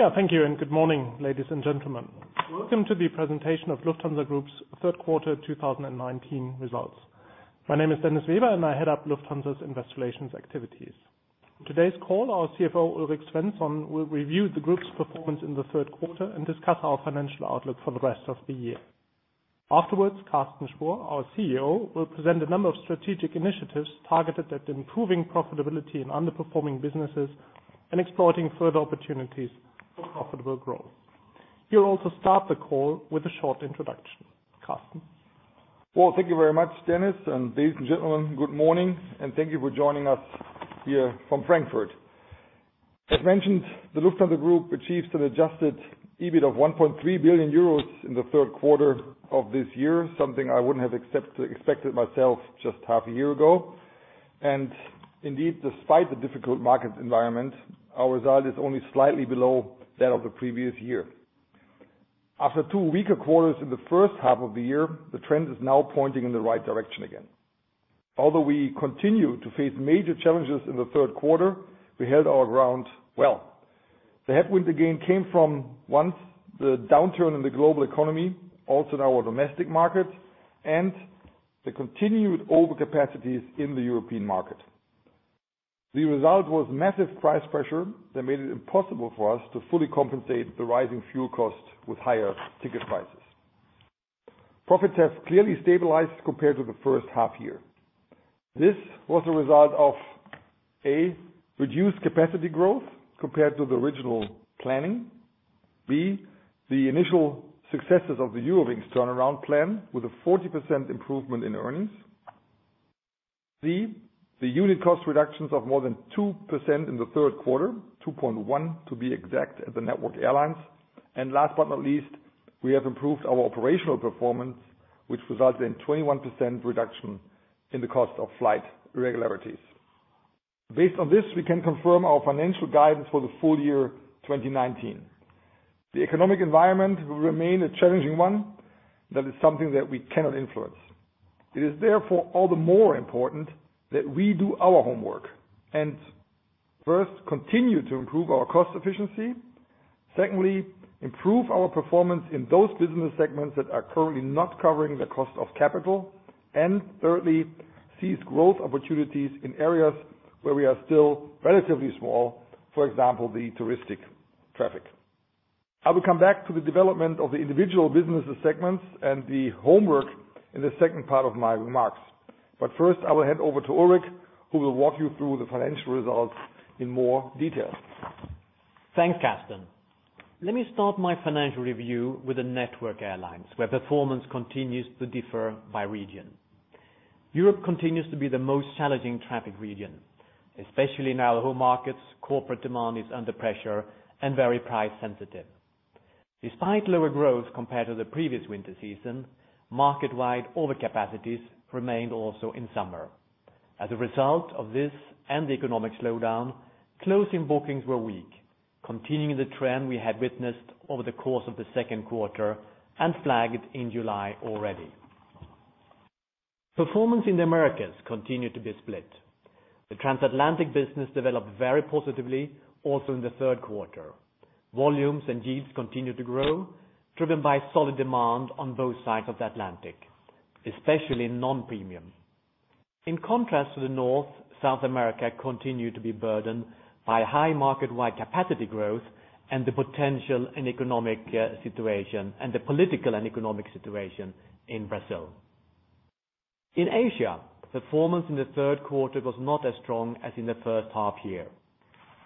Yeah. Thank you. Good morning, ladies and gentlemen. Welcome to the presentation of Lufthansa Group's third quarter 2019 results. My name is Dennis Weber. I head up Lufthansa's investor relations activities. In today's call, our CFO, Ulrik Svensson, will review the group's performance in the third quarter and discuss our financial outlook for the rest of the year. Afterwards, Carsten Spohr, our CEO, will present a number of strategic initiatives targeted at improving profitability in underperforming businesses and exploring further opportunities for profitable growth. He'll also start the call with a short introduction. Carsten? Well, thank you very much, Dennis, and ladies and gentlemen, good morning, and thank you for joining us here from Frankfurt. As mentioned, the Lufthansa Group achieves an adjusted EBIT of 1.3 billion euros in the third quarter of this year, something I wouldn't have expected myself just half a year ago. Indeed, despite the difficult market environment, our result is only slightly below that of the previous year. After two weaker quarters in the first half of the year, the trend is now pointing in the right direction again. Although we continue to face major challenges in the third quarter, we held our ground well. The headwind again came from, one, the downturn in the global economy, also in our domestic market, and the continued over capacities in the European market. The result was massive price pressure that made it impossible for us to fully compensate the rising fuel cost with higher ticket prices. Profits have clearly stabilized compared to the first half year. This was a result of, A, reduced capacity growth compared to the original planning, B, the initial successes of the Eurowings turnaround plan with a 40% improvement in earnings, C, the unit cost reductions of more than 2% in the third quarter, 2.1% to be exact at the Network Airlines, and last but not least, we have improved our operational performance, which results in 21% reduction in the cost of flight irregularities. Based on this, we can confirm our financial guidance for the full year 2019. The economic environment will remain a challenging one. That is something that we cannot influence. It is therefore all the more important that we do our homework and first, continue to improve our cost efficiency, secondly, improve our performance in those business segments that are currently not covering the cost of capital, and thirdly, seize growth opportunities in areas where we are still relatively small, for example, the touristic traffic. I will come back to the development of the individual business segments and the homework in the second part of my remarks. First, I will hand over to Ulrik, who will walk you through the financial results in more detail. Thanks, Carsten. Let me start my financial review with the Network Airlines, where performance continues to differ by region. Europe continues to be the most challenging traffic region, especially in our home markets corporate demand is under pressure and very price sensitive. Despite lower growth compared to the previous winter season, market-wide over capacities remained also in summer. As a result of this and the economic slowdown, closing bookings were weak, continuing the trend we had witnessed over the course of the second quarter and flagged in July already. Performance in the Americas continued to be split. The Transatlantic business developed very positively, also in the third quarter. Volumes and yields continued to grow, driven by solid demand on both sides of the Atlantic, especially in non-premium. In contrast to the north, South America continued to be burdened by high market-wide capacity growth and the political and economic situation in Brazil. In Asia, performance in the third quarter was not as strong as in the first half year.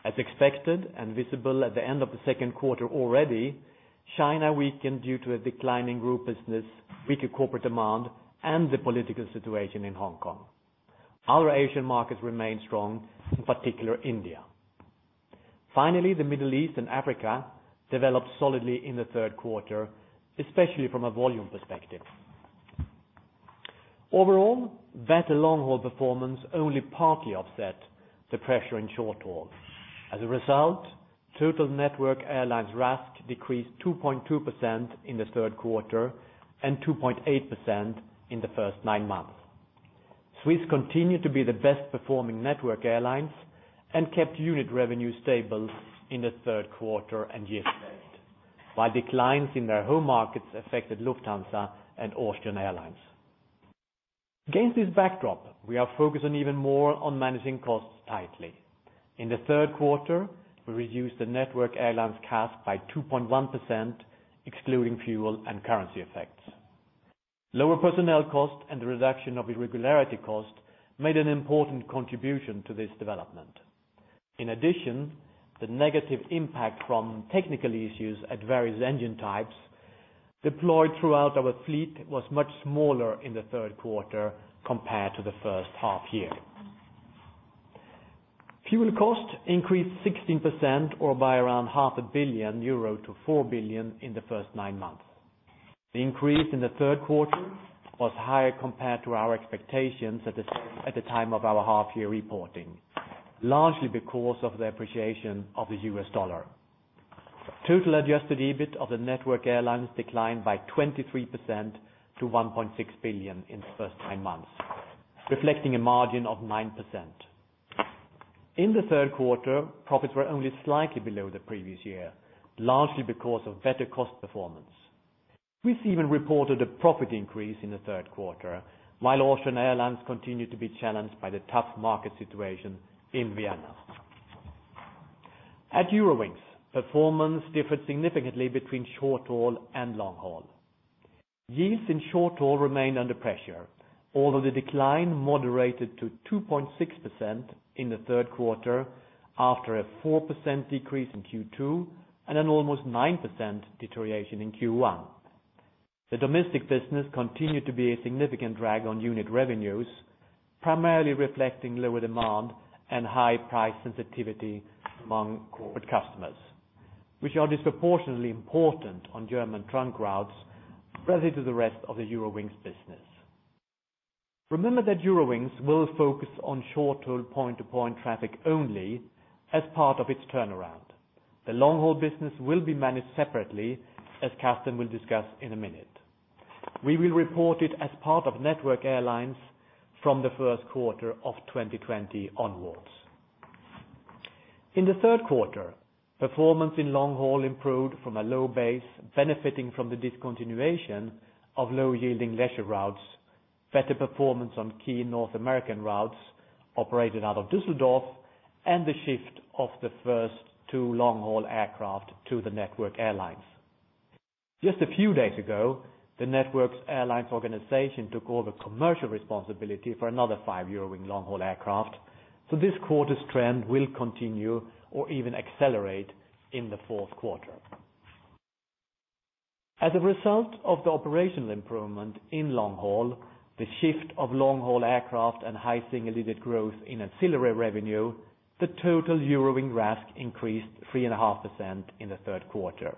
As expected and visible at the end of the second quarter already, China weakened due to a decline in group business, weaker corporate demand, and the political situation in Hong Kong. Other Asian markets remained strong, in particular India. The Middle East and Africa developed solidly in the third quarter, especially from a volume perspective. Overall, better long-haul performance only partly offset the pressure in short haul. Total Network Airlines RASK decreased 2.2% in the third quarter and 2.8% in the first nine months. SWISS continued to be the best performing Network Airlines and kept unit revenue stable in the third quarter and year to date, while declines in their home markets affected Lufthansa and Austrian Airlines. Against this backdrop, we are focused even more on managing costs tightly. In the third quarter, we reduced the Network Airlines CASK by 2.1%, excluding fuel and currency effects. Lower personnel costs and the reduction of irregularity costs made an important contribution to this development. In addition, the negative impact from technical issues at various engine types deployed throughout our fleet was much smaller in the third quarter compared to the first half year. Fuel costs increased 16% or by around half a billion euro to 4 billion in the first nine months. The increase in the third quarter was higher compared to our expectations at the time of our half year reporting, largely because of the appreciation of the US dollar. Total adjusted EBIT of the Network Airlines declined by 23% to 1.6 billion in the first nine months. Reflecting a margin of 9%. In the third quarter, profits were only slightly below the previous year, largely because of better cost performance. SWISS even reported a profit increase in the third quarter, while Austrian Airlines continued to be challenged by the tough market situation in Vienna. At Eurowings, performance differed significantly between short haul and long haul. Yields in short haul remained under pressure, although the decline moderated to 2.6% in the third quarter after a 4% decrease in Q2 and an almost 9% deterioration in Q1. The domestic business continued to be a significant drag on unit revenues, primarily reflecting lower demand and high price sensitivity among corporate customers, which are disproportionately important on German trunk routes relative to the rest of the Eurowings business. Remember that Eurowings will focus on short-haul point-to-point traffic only as part of its turnaround. The long-haul business will be managed separately, as Carsten will discuss in a minute. We will report it as part of Network Airlines from the first quarter of 2020 onwards. In the third quarter, performance in long haul improved from a low base, benefiting from the discontinuation of low yielding leisure routes, better performance on key North American routes operated out of Düsseldorf, and the shift of the first two long-haul aircraft to the Network Airlines. Just a few days ago, the Network Airlines organization took over commercial responsibility for another five Eurowings long-haul aircraft, so this quarter's trend will continue or even accelerate in the fourth quarter. As a result of the operational improvement in long haul, the shift of long-haul aircraft and high single-digit growth in ancillary revenue, the total Eurowings RASK increased 3.5% in the third quarter.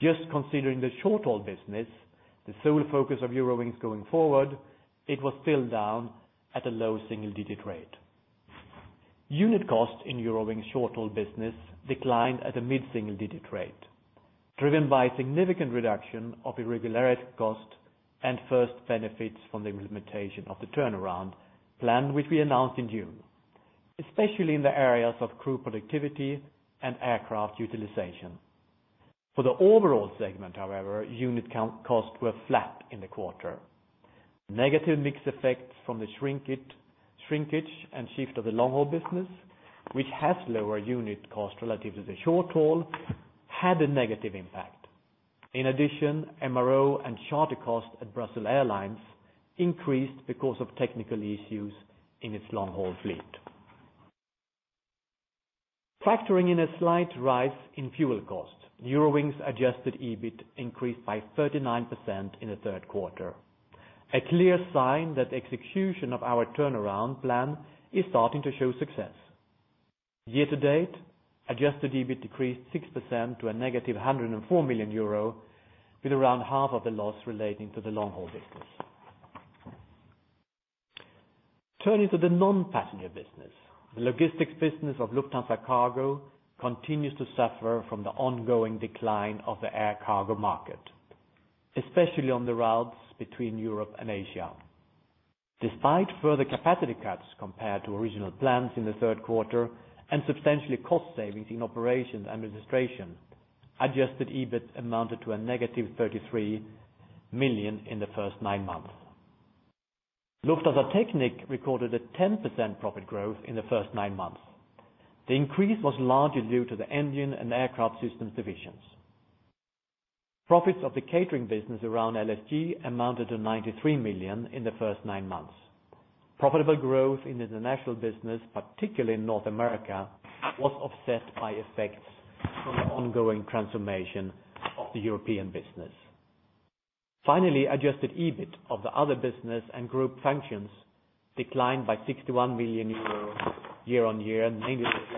Just considering the short-haul business, the sole focus of Eurowings going forward, it was still down at a low single-digit rate. Unit costs in Eurowings' short-haul business declined at a mid-single-digit rate, driven by significant reduction of irregularity cost and first benefits from the implementation of the turnaround plan which we announced in June, especially in the areas of crew productivity and aircraft utilization. For the overall segment, however, unit costs were flat in the quarter. Negative mix effects from the shrinkage and shift of the long-haul business, which has lower unit cost relative to the short haul, had a negative impact. In addition, MRO and charter costs at Brussels Airlines increased because of technical issues in its long-haul fleet. Factoring in a slight rise in fuel costs, Eurowings adjusted EBIT increased by 39% in the third quarter, a clear sign that execution of our turnaround plan is starting to show success. Year to date, adjusted EBIT decreased 6% to a negative 104 million euro with around half of the loss relating to the long-haul business. Turning to the non-passenger business, the logistics business of Lufthansa Cargo continues to suffer from the ongoing decline of the air cargo market, especially on the routes between Europe and Asia. Despite further capacity cuts compared to original plans in the third quarter and substantially cost savings in operations and administration, adjusted EBIT amounted to a negative 33 million in the first nine months. Lufthansa Technik recorded a 10% profit growth in the first nine months. The increase was largely due to the engine and aircraft systems divisions. Profits of the catering business around LSG amounted to 93 million in the first nine months. Profitable growth in international business, particularly in North America, was offset by effects from the ongoing transformation of the European business. Finally, adjusted EBIT of the other business and group functions declined by 61 million euros year-over-year, mainly reflecting high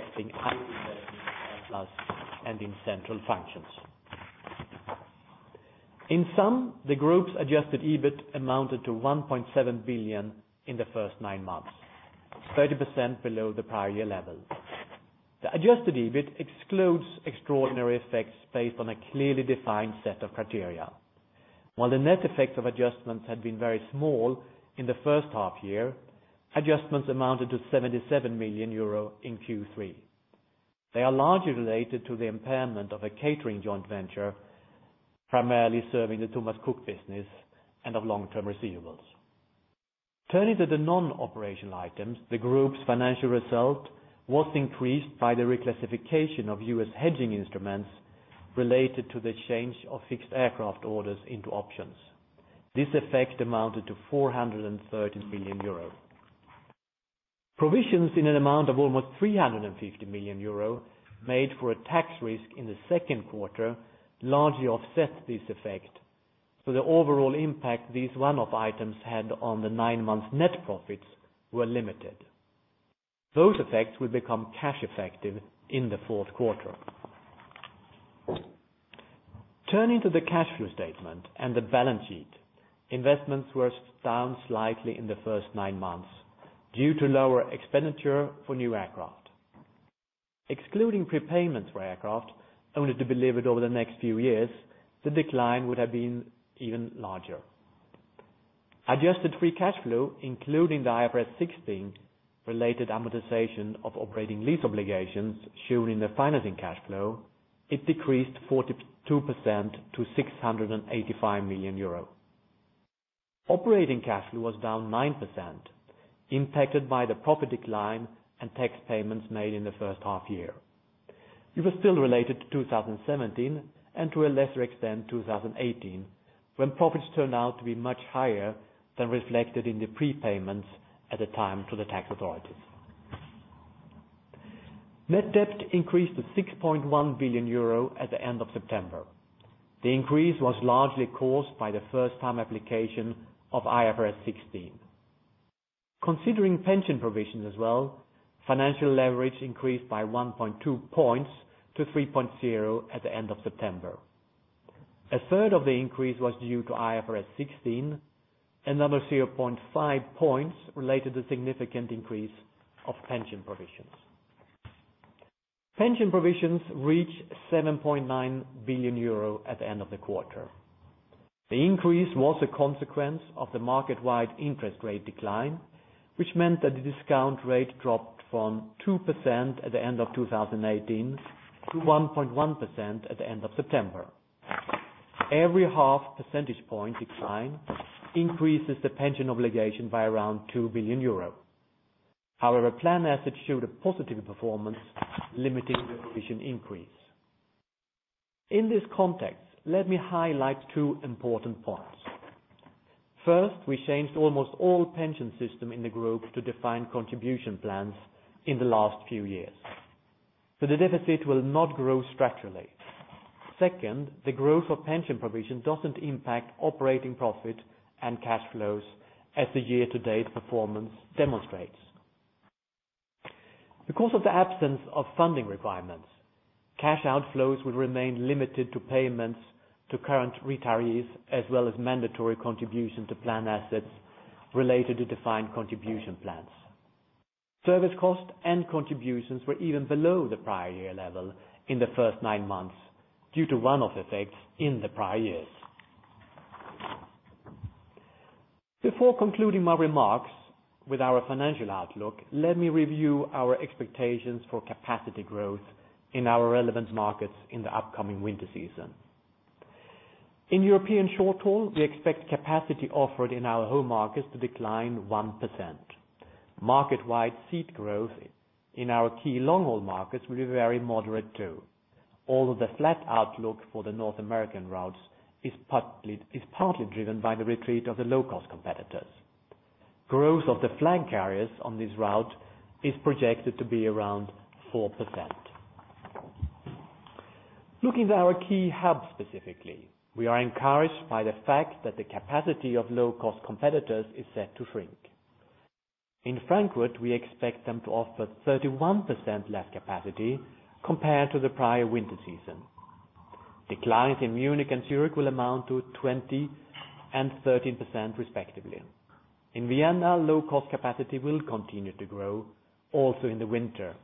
and in central functions. In sum, the group's adjusted EBIT amounted to 1.7 billion in the first nine months, 30% below the prior year level. The adjusted EBIT excludes extraordinary effects based on a clearly defined set of criteria. While the net effects of adjustments had been very small in the first half year, adjustments amounted to 77 million euro in Q3. They are largely related to the impairment of a catering joint venture, primarily serving the Thomas Cook business and of long-term receivables. Turning to the non-operational items, the group's financial result was increased by the reclassification of U.S. hedging instruments related to the change of fixed aircraft orders into options. This effect amounted to 430 million euros. Provisions in an amount of almost 350 million euros made for a tax risk in the second quarter, largely offset this effect. The overall impact these one-off items had on the nine months net profits were limited. Those effects will become cash effective in the fourth quarter. Turning to the cash flow statement and the balance sheet, investments were down slightly in the first nine months due to lower expenditure for new aircraft. Excluding prepayments for aircraft only to be delivered over the next few years, the decline would have been even larger. Adjusted free cash flow, including the IFRS 16 related amortization of operating lease obligations shown in the financing cash flow, it decreased 42% to 685 million euro. Operating cash flow was down 9%, impacted by the profit decline and tax payments made in the first half year. It was still related to 2017 and to a lesser extent 2018, when profits turned out to be much higher than reflected in the prepayments at the time to the tax authorities. Net debt increased to 6.1 billion euro at the end of September. The increase was largely caused by the first time application of IFRS 16. Considering pension provisions as well, financial leverage increased by 1.2 points to 3.0 at the end of September. A third of the increase was due to IFRS 16, another 0.5 points related to significant increase of pension provisions. Pension provisions reached 7.9 billion euro at the end of the quarter. The increase was a consequence of the market-wide interest rate decline, which meant that the discount rate dropped from 2% at the end of 2018 to 1.1% at the end of September. Every half percentage point decline increases the pension obligation by around 2 billion euro. However, plan assets showed a positive performance, limiting the provision increase. In this context, let me highlight two important points. First, we changed almost all pension system in the group to defined contribution plans in the last few years. The deficit will not grow structurally. Second, the growth of pension provision doesn't impact operating profit and cash flows as the year-to-date performance demonstrates. Because of the absence of funding requirements, cash outflows will remain limited to payments to current retirees, as well as mandatory contribution to plan assets related to defined contribution plans. Service cost and contributions were even below the prior year level in the first nine months due to one-off effects in the prior years. Before concluding my remarks with our financial outlook, let me review our expectations for capacity growth in our relevant markets in the upcoming winter season. In European short haul, we expect capacity offered in our home markets to decline 1%. Market-wide seat growth in our key long haul markets will be very moderate too, although the flat outlook for the North American routes is partly driven by the retreat of the low cost competitors. Growth of the flag carriers on this route is projected to be around 4%. Looking at our key hubs specifically, we are encouraged by the fact that the capacity of low cost competitors is set to shrink. In Frankfurt, we expect them to offer 31% less capacity compared to the prior winter season. Declines in Munich and Zurich will amount to 20% and 13% respectively. In Vienna, low cost capacity will continue to grow also in the winter,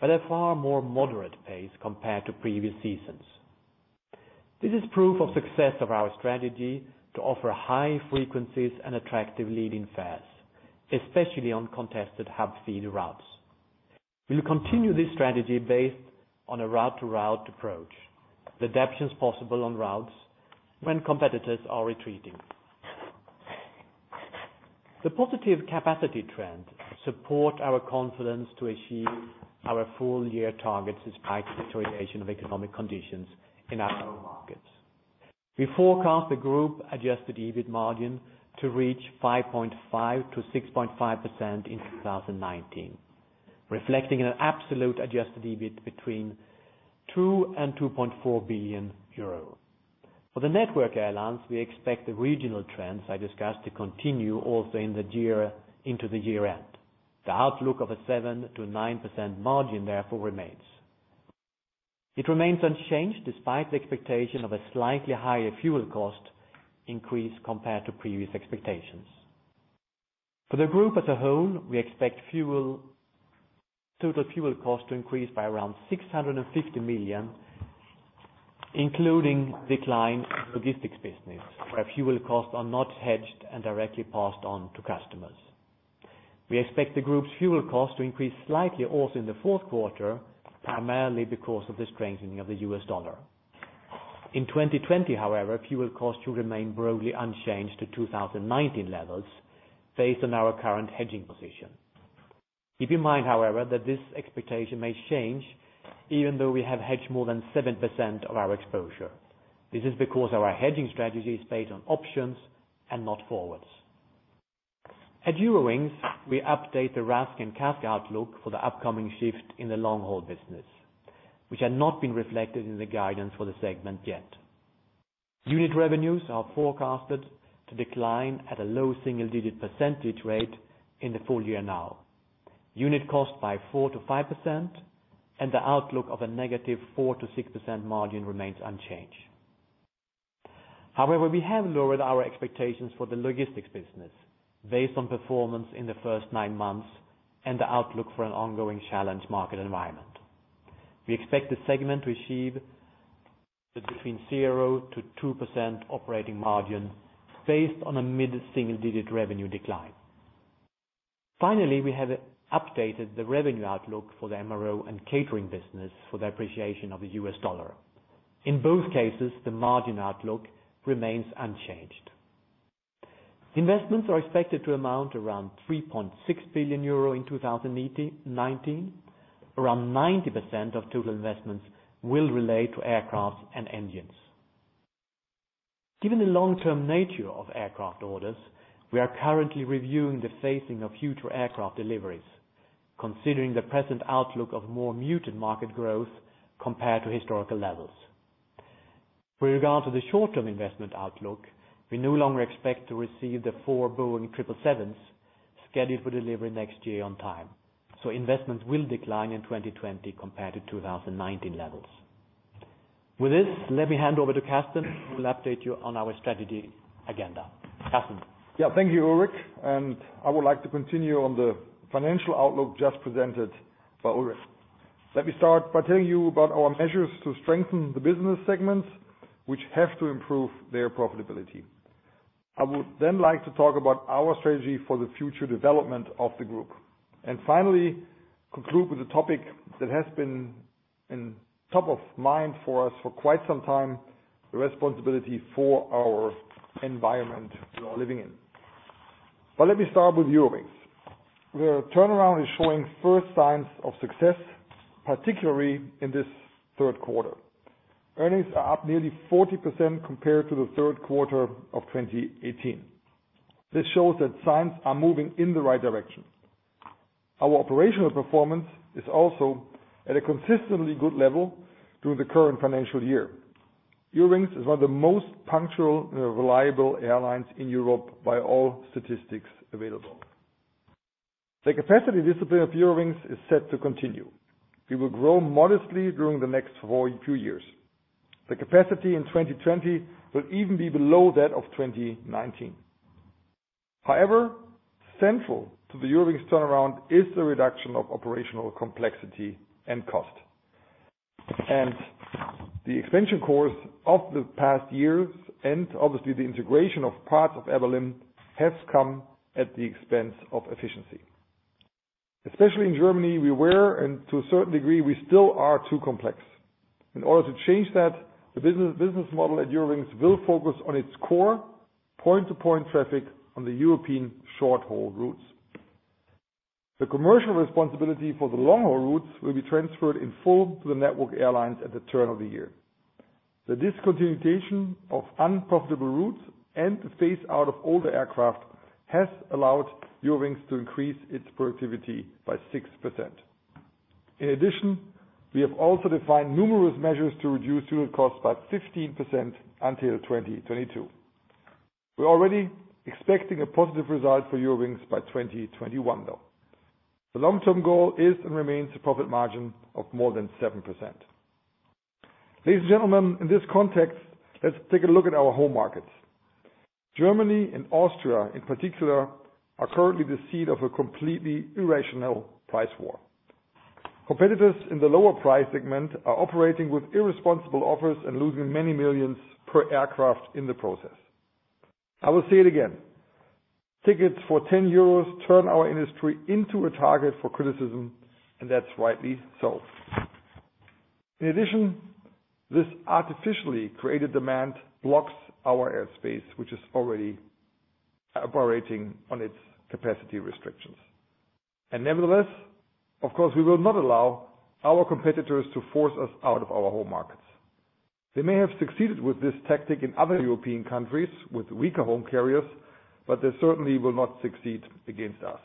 but at a far more moderate pace compared to previous seasons. This is proof of success of our strategy to offer high frequencies and attractive leading fares, especially on contested hub feed routes. We'll continue this strategy based on a route to route approach with adaptations possible on routes when competitors are retreating. The positive capacity trend support our confidence to achieve our full year targets despite the deterioration of economic conditions in our home markets. We forecast the Group adjusted EBIT margin to reach 5.5%-6.5% in 2019, reflecting an absolute adjusted EBIT between 2 billion and 2.4 billion euro. For the Network Airlines, we expect the regional trends I discussed to continue also into the year-end. The outlook of a 7%-9% margin therefore remains. It remains unchanged despite the expectation of a slightly higher fuel cost increase compared to previous expectations. For the Group as a whole, we expect total fuel cost to increase by around 650 million, including decline in logistics business, where fuel costs are not hedged and directly passed on to customers. We expect the Group's fuel cost to increase slightly also in the fourth quarter, primarily because of the strengthening of the U.S. dollar. In 2020, however, fuel cost will remain broadly unchanged to 2019 levels based on our current hedging position. Keep in mind, however, that this expectation may change even though we have hedged more than 7% of our exposure. This is because our hedging strategy is based on options and not forwards. At Eurowings, we update the RASK and CASK outlook for the upcoming shift in the long haul business, which had not been reflected in the guidance for the segment yet. Unit revenues are forecasted to decline at a low single digit % rate in the full year now. Unit cost by 4%-5%. The outlook of a negative 4%-6% margin remains unchanged. We have lowered our expectations for the logistics business based on performance in the first nine months and the outlook for an ongoing challenge market environment. We expect the segment to achieve between 0%-2% operating margin based on a mid-single digit revenue decline. Finally, we have updated the revenue outlook for the MRO and catering business for the appreciation of the US dollar. In both cases, the margin outlook remains unchanged. Investments are expected to amount around 3.6 billion euro in 2019. Around 90% of total investments will relate to aircraft and engines. Given the long-term nature of aircraft orders, we are currently reviewing the phasing of future aircraft deliveries, considering the present outlook of more muted market growth compared to historical levels. With regard to the short-term investment outlook, we no longer expect to receive the four Boeing 777s scheduled for delivery next year on time. Investments will decline in 2020 compared to 2019 levels. With this, let me hand over to Carsten, who will update you on our strategy agenda. Carsten? Thank you, Ulrik. I would like to continue on the financial outlook just presented by Ulrik. Let me start by telling you about our measures to strengthen the business segments, which have to improve their profitability. I would then like to talk about our strategy for the future development of the group. Finally conclude with a topic that has been top of mind for us for quite some time, the responsibility for our environment we are living in. Let me start with Eurowings. Their turnaround is showing first signs of success, particularly in this third quarter. Earnings are up nearly 40% compared to the third quarter of 2018. This shows that signs are moving in the right direction. Our operational performance is also at a consistently good level during the current financial year. Eurowings is one of the most punctual and reliable airlines in Europe by all statistics available. The capacity discipline of Eurowings is set to continue. We will grow modestly during the next few years. The capacity in 2020 will even be below that of 2019. However, central to the Eurowings turnaround is the reduction of operational complexity and cost. The expansion course of the past years, and obviously the integration of parts of Air Berlin, has come at the expense of efficiency. Especially in Germany, we were, and to a certain degree, we still are too complex. In order to change that, the business model at Eurowings will focus on its core point-to-point traffic on the European short-haul routes. The commercial responsibility for the long-haul routes will be transferred in full to the Network Airlines at the turn of the year. The discontinuation of unprofitable routes and the phase-out of older aircraft has allowed Eurowings to increase its productivity by 6%. In addition, we have also defined numerous measures to reduce fuel costs by 15% until 2022. We're already expecting a positive result for Eurowings by 2021, though. The long-term goal is and remains a profit margin of more than 7%. Ladies and gentlemen, in this context, let's take a look at our home markets. Germany and Austria, in particular, are currently the seat of a completely irrational price war. Competitors in the lower price segment are operating with irresponsible offers and losing many millions per aircraft in the process. I will say it again, tickets for 10 euros turn our industry into a target for criticism, and that's rightly so. In addition, this artificially created demand blocks our airspace, which is already operating on its capacity restrictions. Nevertheless, of course, we will not allow our competitors to force us out of our home markets. They may have succeeded with this tactic in other European countries with weaker home carriers, but they certainly will not succeed against us.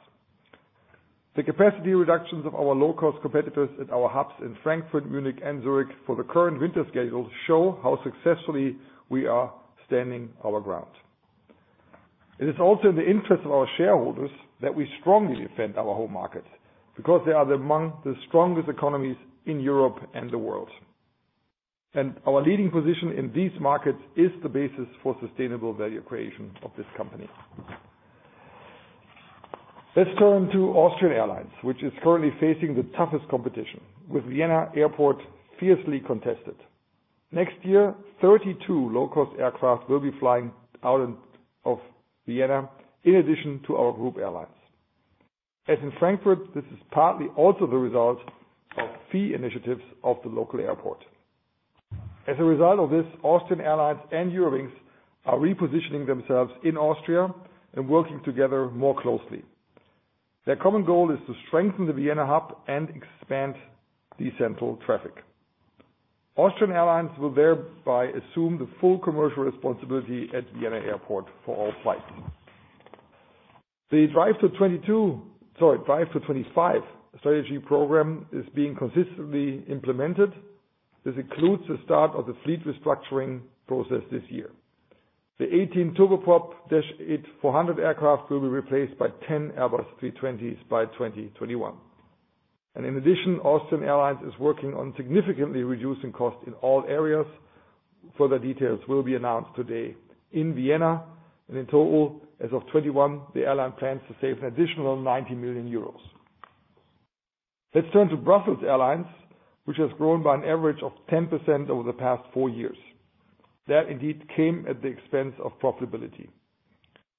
The capacity reductions of our low-cost competitors at our hubs in Frankfurt, Munich, and Zurich for the current winter schedules show how successfully we are standing our ground. It is also in the interest of our shareholders that we strongly defend our home markets because they are among the strongest economies in Europe and the world. Our leading position in these markets is the basis for sustainable value creation of this company. Let's turn to Austrian Airlines, which is currently facing the toughest competition, with Vienna Airport fiercely contested. Next year, 32 low-cost aircraft will be flying out of Vienna in addition to our group airlines. As in Frankfurt, this is partly also the result of fee initiatives of the local airport. As a result of this, Austrian Airlines and Eurowings are repositioning themselves in Austria and working together more closely. Their common goal is to strengthen the Vienna hub and expand the central traffic. Austrian Airlines will thereby assume the full commercial responsibility at Vienna Airport for all flights. The drive to '22, sorry, drive to 25 strategy program is being consistently implemented. This includes the start of the fleet restructuring process this year. The 18 turboprop Dash 8-400 aircraft will be replaced by 10 Airbus A320s by 2021. In addition, Austrian Airlines is working on significantly reducing costs in all areas. Further details will be announced today in Vienna. In total, as of 2021, the airline plans to save an additional 90 million euros. Let's turn to Brussels Airlines, which has grown by an average of 10% over the past four years. That indeed came at the expense of profitability.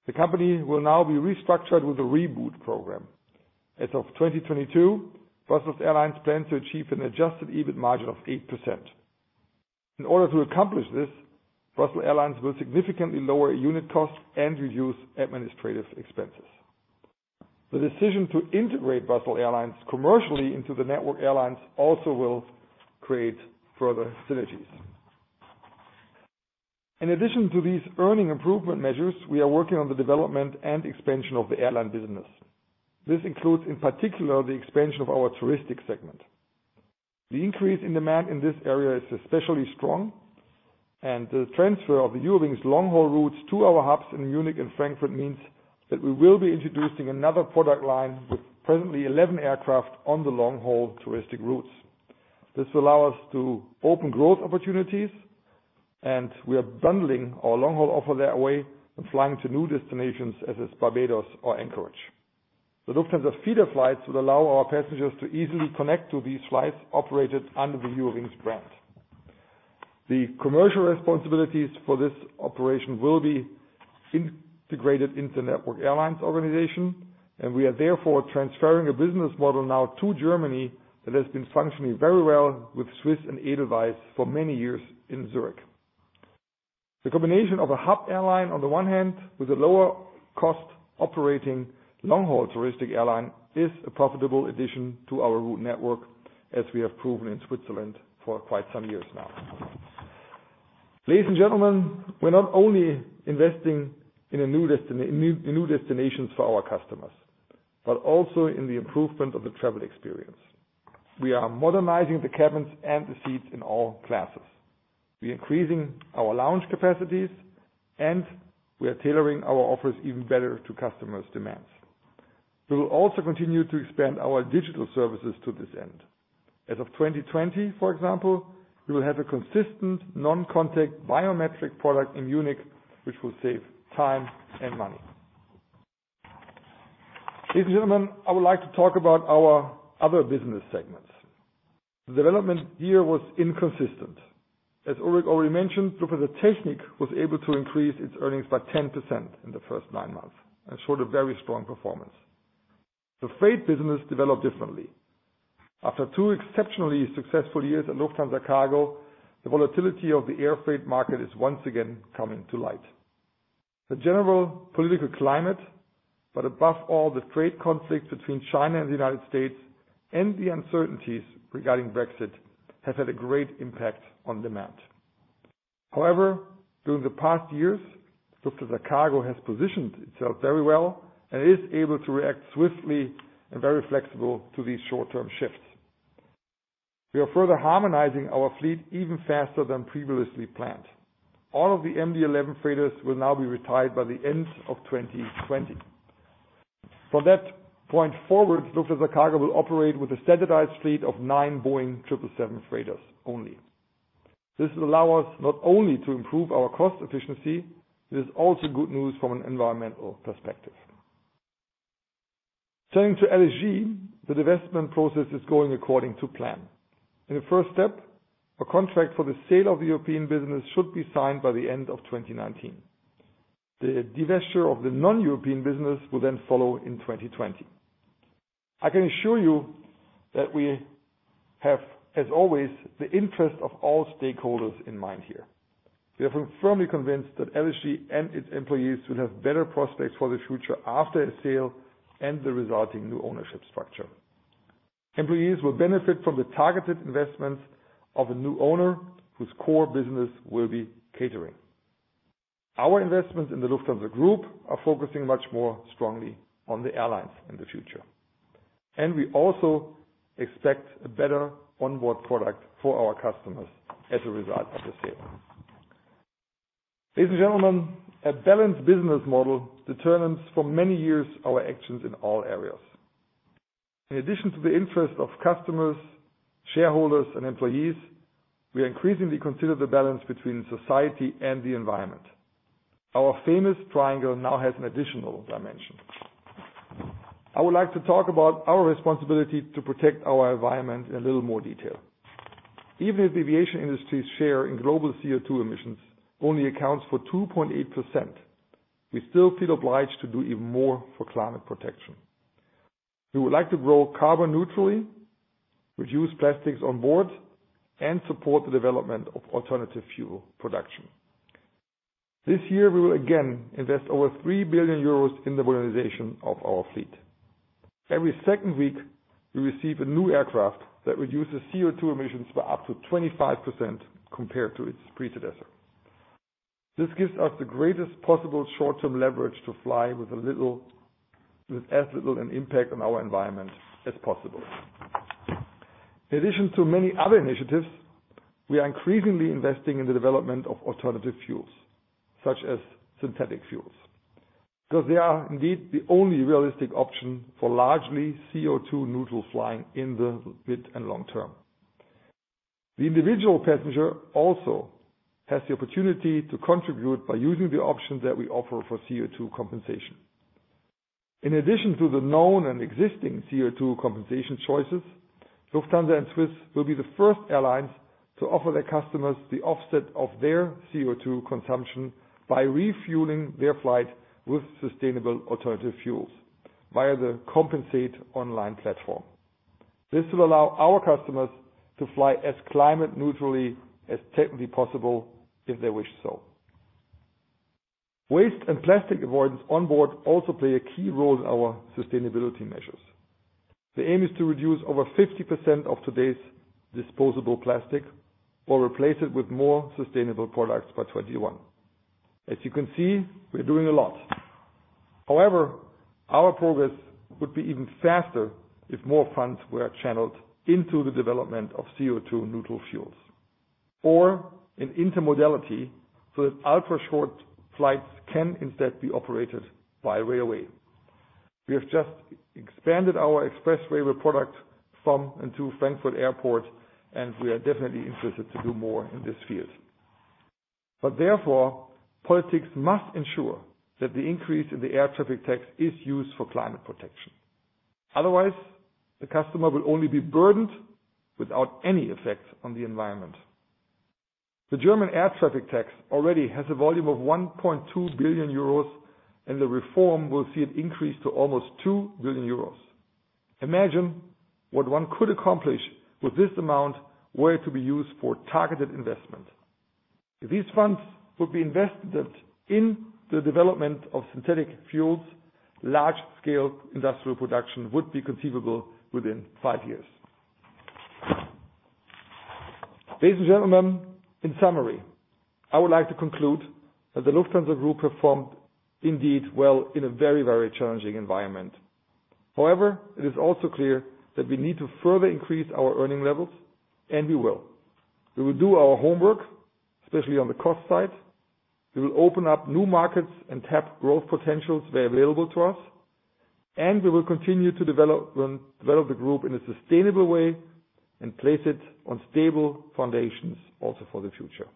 The company will now be restructured with the Reboot program. As of 2022, Brussels Airlines plans to achieve an adjusted EBIT margin of 8%. In order to accomplish this, Brussels Airlines will significantly lower unit costs and reduce administrative expenses. The decision to integrate Brussels Airlines commercially into the Network Airlines also will create further synergies. In addition to these earning improvement measures, we are working on the development and expansion of the airline business. This includes, in particular, the expansion of our touristic segment. The increase in demand in this area is especially strong. The transfer of the Eurowings long-haul routes to our hubs in Munich and Frankfurt means that we will be introducing another product line with presently 11 aircraft on the long-haul touristic routes. This will allow us to open growth opportunities. We are bundling our long-haul offer that way and flying to new destinations, as is Barbados or Anchorage. The Lufthansa feeder flights would allow our passengers to easily connect to these flights operated under the Eurowings brand. The commercial responsibilities for this operation will be integrated into Network Airlines organization. We are therefore transferring a business model now to Germany that has been functioning very well with SWISS and Edelweiss for many years in Zurich. The combination of a hub airline on the one hand with a lower cost operating long-haul touristic airline is a profitable addition to our route network, as we have proven in Switzerland for quite some years now. Ladies and gentlemen, we're not only investing in new destinations for our customers, but also in the improvement of the travel experience. We increasing our lounge capacities, and we are tailoring our offers even better to customers' demands. We will also continue to expand our digital services to this end. As of 2020, for example, we will have a consistent non-contact biometric product in Munich, which will save time and money. Ladies and gentlemen, I would like to talk about our other business segments. The development here was inconsistent. As Ulrik already mentioned, Lufthansa Technik was able to increase its earnings by 10% in the first nine months and showed a very strong performance. The freight business developed differently. After two exceptionally successful years at Lufthansa Cargo, the volatility of the air freight market is once again coming to light. Above all, the trade conflicts between China and the United States and the uncertainties regarding Brexit have had a great impact on demand. However, during the past years, Lufthansa Cargo has positioned itself very well and is able to react swiftly and very flexibly to these short-term shifts. We are further harmonizing our fleet even faster than previously planned. All of the MD-11 freighters will now be retired by the end of 2020. From that point forward, Lufthansa Cargo will operate with a standardized fleet of nine Boeing 777 freighters only. This will allow us not only to improve our cost efficiency, it is also good news from an environmental perspective. Turning to LSG, the divestment process is going according to plan. In the first step, a contract for the sale of the European business should be signed by the end of 2019. The divesture of the non-European business will then follow in 2020. I can assure you that we have, as always, the interest of all stakeholders in mind here. We are firmly convinced that LSG and its employees will have better prospects for the future after a sale and the resulting new ownership structure. Employees will benefit from the targeted investments of a new owner whose core business will be catering. Our investments in the Lufthansa Group are focusing much more strongly on the airlines in the future, and we also expect a better onboard product for our customers as a result of the sale. Ladies and gentlemen, a balanced business model determines for many years our actions in all areas. In addition to the interest of customers, shareholders, and employees, we are increasingly consider the balance between society and the environment. Our famous triangle now has an additional dimension. I would like to talk about our responsibility to protect our environment in a little more detail. Even if aviation industry's share in global CO2 emissions only accounts for 2.8%, we still feel obliged to do even more for climate protection. We would like to grow carbon neutrally, reduce plastics on board, and support the development of alternative fuel production. This year, we will again invest over 3 billion euros in the modernization of our fleet. Every second week, we receive a new aircraft that reduces CO2 emissions by up to 25% compared to its predecessor. This gives us the greatest possible short-term leverage to fly with as little an impact on our environment as possible. In addition to many other initiatives, we are increasingly investing in the development of alternative fuels, such as synthetic fuels, because they are indeed the only realistic option for largely CO2 neutral flying in the mid and long term. The individual passenger also has the opportunity to contribute by using the option that we offer for CO2 compensation. In addition to the known and existing CO2 compensation choices, Lufthansa and SWISS will be the first airlines to offer their customers the offset of their CO2 consumption by refueling their flight with sustainable alternative fuels via the Compensaid online platform. This will allow our customers to fly as climate neutrally as technically possible if they wish so. Waste and plastic avoidance onboard also play a key role in our sustainability measures. The aim is to reduce over 50% of today's disposable plastic or replace it with more sustainable products by 2021. As you can see, we are doing a lot. Our progress would be even faster if more funds were channeled into the development of CO2 neutral fuels or in intermodality, so that ultra short flights can instead be operated by railway. We have just expanded our Lufthansa Express Rail product from and to Frankfurt Airport. We are definitely interested to do more in this field. Therefore, politics must ensure that the increase in the air traffic tax is used for climate protection. Otherwise, the customer will only be burdened without any effect on the environment. The German air traffic tax already has a volume of 1.2 billion euros. The reform will see it increase to almost 2 billion euros. Imagine what one could accomplish with this amount were it to be used for targeted investment. If these funds would be invested in the development of synthetic fuels, large scale industrial production would be conceivable within five years. Ladies and gentlemen, in summary, I would like to conclude that the Lufthansa Group performed indeed well in a very challenging environment. However, it is also clear that we need to further increase our earning levels, and we will. We will do our homework, especially on the cost side. We will open up new markets and tap growth potentials where available to us, and we will continue to develop the group in a sustainable way and place it on stable foundations also for the future.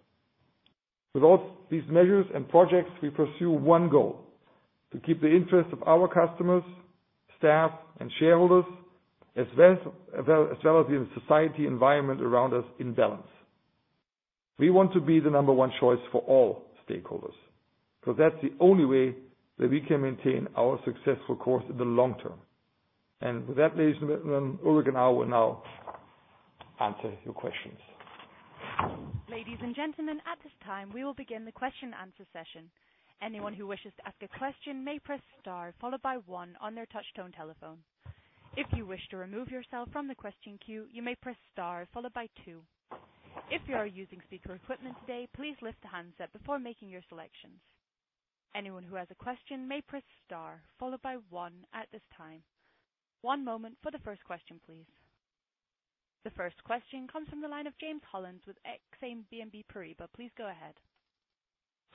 With all these measures and projects, we pursue one goal, to keep the interest of our customers, staff, and shareholders, as well as the society environment around us in balance. We want to be the number one choice for all stakeholders, because that's the only way that we can maintain our successful course in the long term. With that, ladies and gentlemen, Ulrik and I will now answer your questions. Ladies and gentlemen, at this time, we will begin the question and answer session. Anyone who wishes to ask a question may press star followed by one on their touchtone telephone. If you wish to remove yourself from the question queue, you may press star followed by two. If you are using speaker equipment today, please lift the handset before making your selections. Anyone who has a question may press star followed by one at this time. One moment for the first question, please. The first question comes from the line of James Hollins with Exane BNP Paribas. Please go ahead.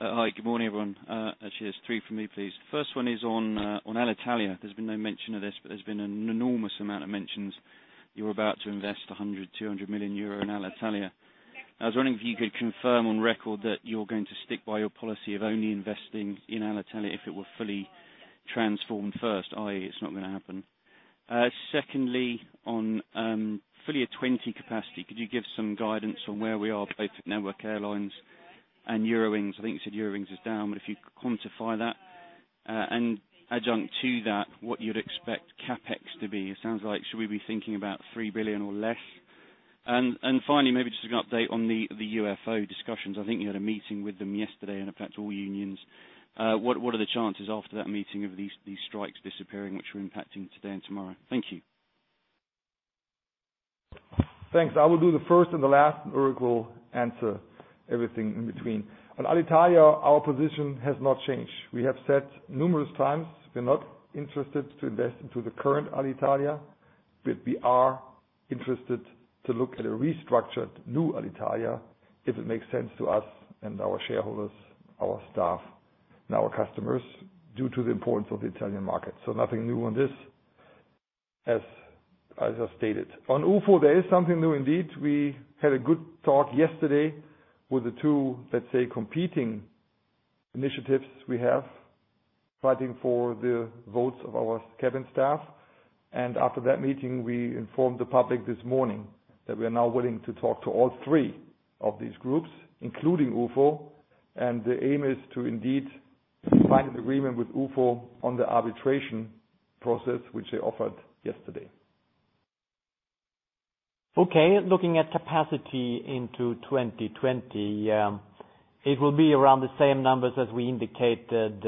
Hi, good morning, everyone. Actually, there's three from me, please. The first one is on Alitalia. There's been no mention of this. There's been an enormous amount of mentions you're about to invest 100 million euro, 200 million euro in Alitalia. I was wondering if you could confirm on record that you're going to stick by your policy of only investing in Alitalia if it were fully transformed first, i.e., it's not going to happen? Secondly, on full year 2020 capacity, could you give some guidance on where we are, both at Network Airlines and Eurowings? I think you said Eurowings is down. If you could quantify that, adjunct to that, what you'd expect CapEx to be? It sounds like, should we be thinking about 3 billion or less? Finally, maybe just an update on the UFO discussions. I think you had a meeting with them yesterday and, in fact, all unions. What are the chances after that meeting of these strikes disappearing, which are impacting today and tomorrow? Thank you. Thanks. I will do the first and the last. Ulrik will answer everything in between. On Alitalia, our position has not changed. We have said numerous times we're not interested to invest into the current Alitalia. We are interested to look at a restructured new Alitalia if it makes sense to us and our shareholders, our staff, and our customers, due to the importance of the Italian market. Nothing new on this, as I just stated. On UFO, there is something new indeed. We had a good talk yesterday with the two, let's say, competing initiatives we have fighting for the votes of our cabin staff. After that meeting, we informed the public this morning that we are now willing to talk to all three of these groups, including UFO. The aim is to indeed find an agreement with UFO on the arbitration process, which they offered yesterday. Okay, looking at capacity into 2020, it will be around the same numbers as we indicated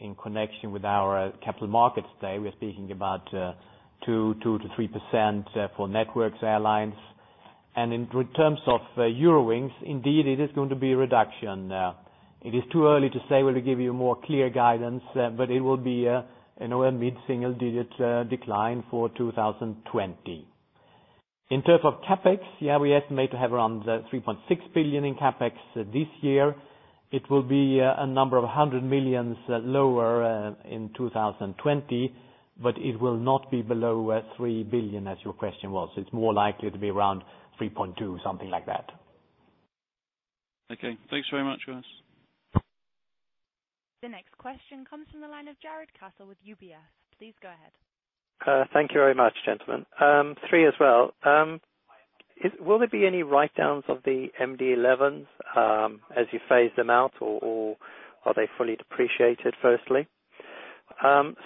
in connection with our capital markets day. We're speaking about 2%-3% for Network Airlines. In terms of Eurowings, indeed, it is going to be a reduction. It is too early to say we'll give you more clear guidance, but it will be a mid-single-digit decline for 2020. In terms of CapEx, we estimate to have around 3.6 billion in CapEx this year. It will be a number of hundred millions lower in 2020, but it will not be below 3 billion, as your question was. It's more likely to be around 3.2 billion, something like that. Okay. Thanks very much, guys. The next question comes from the line of Jarrod Castle with UBS. Please go ahead. Thank you very much, gentlemen. Three as well. Will there be any write-downs of the MD-11s as you phase them out, or are they fully depreciated, firstly?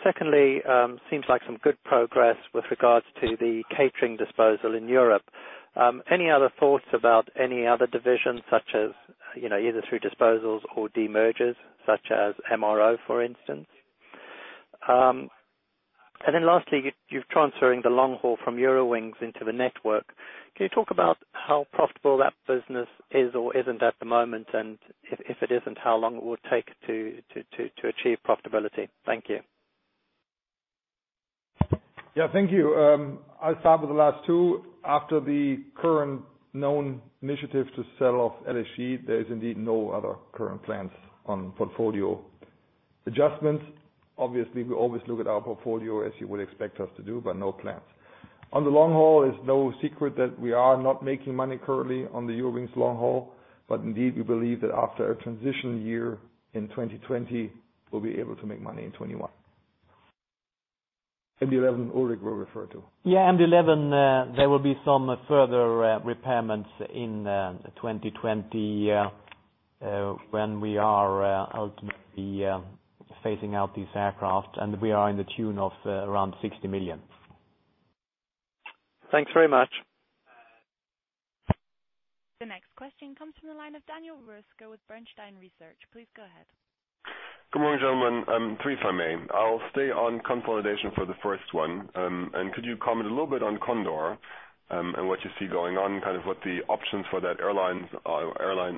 Secondly, seems like some good progress with regards to the catering disposal in Europe. Any other thoughts about any other divisions such as, either through disposals or demergers, such as MRO, for instance? Lastly, you're transferring the long haul from Eurowings into the Network Airlines. Can you talk about how profitable that business is or isn't at the moment, and if it isn't, how long it will take to achieve profitability? Thank you. Yeah, thank you. I'll start with the last two. After the current known initiative to sell off LSG, there is indeed no other current plans on portfolio adjustments. Obviously, we always look at our portfolio as you would expect us to do, but no plans. On the long haul, it's no secret that we are not making money currently on the Eurowings long haul, but indeed, we believe that after a transition year in 2020, we'll be able to make money in 2021. MD-11, Ulrik will refer to. Yeah, MD-11, there will be some further repayments in 2020, when we are ultimately phasing out these aircraft, and we are in the tune of around 60 million. Thanks very much. The next question comes from the line of Daniel Roeska with Bernstein Research. Please go ahead. Good morning, gentlemen. Three for me. I'll stay on consolidation for the first one. Could you comment a little bit on Condor and what you see going on, what the options for that airline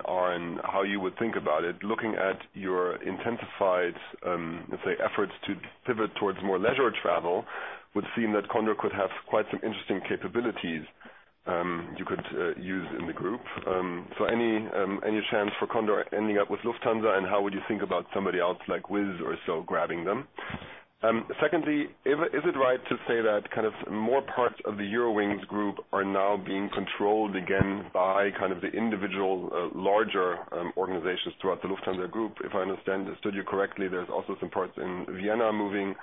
are and how you would think about it? Looking at your intensified, let's say, efforts to pivot towards more leisure travel, would seem that Condor could have quite some interesting capabilities you could use in the group. Any chance for Condor ending up with Lufthansa, and how would you think about somebody else like Wizz or so grabbing them? Secondly, is it right to say that more parts of the Eurowings group are now being controlled again by the individual larger organizations throughout the Lufthansa Group? If I understand the scenario correctly, there's also some parts in Vienna moving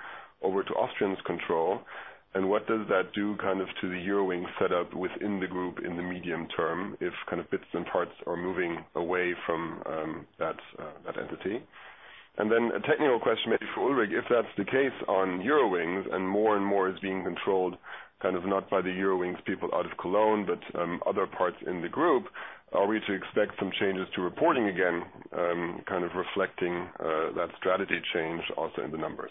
over to Austrian's control. What does that do to the Eurowings set up within the group in the medium term, if bits and parts are moving away from that entity? Then a technical question, maybe for Ulrik, if that's the case on Eurowings and more and more is being controlled, not by the Eurowings people out of Cologne, but other parts in the group, are we to expect some changes to reporting again, reflecting that strategy change also in the numbers?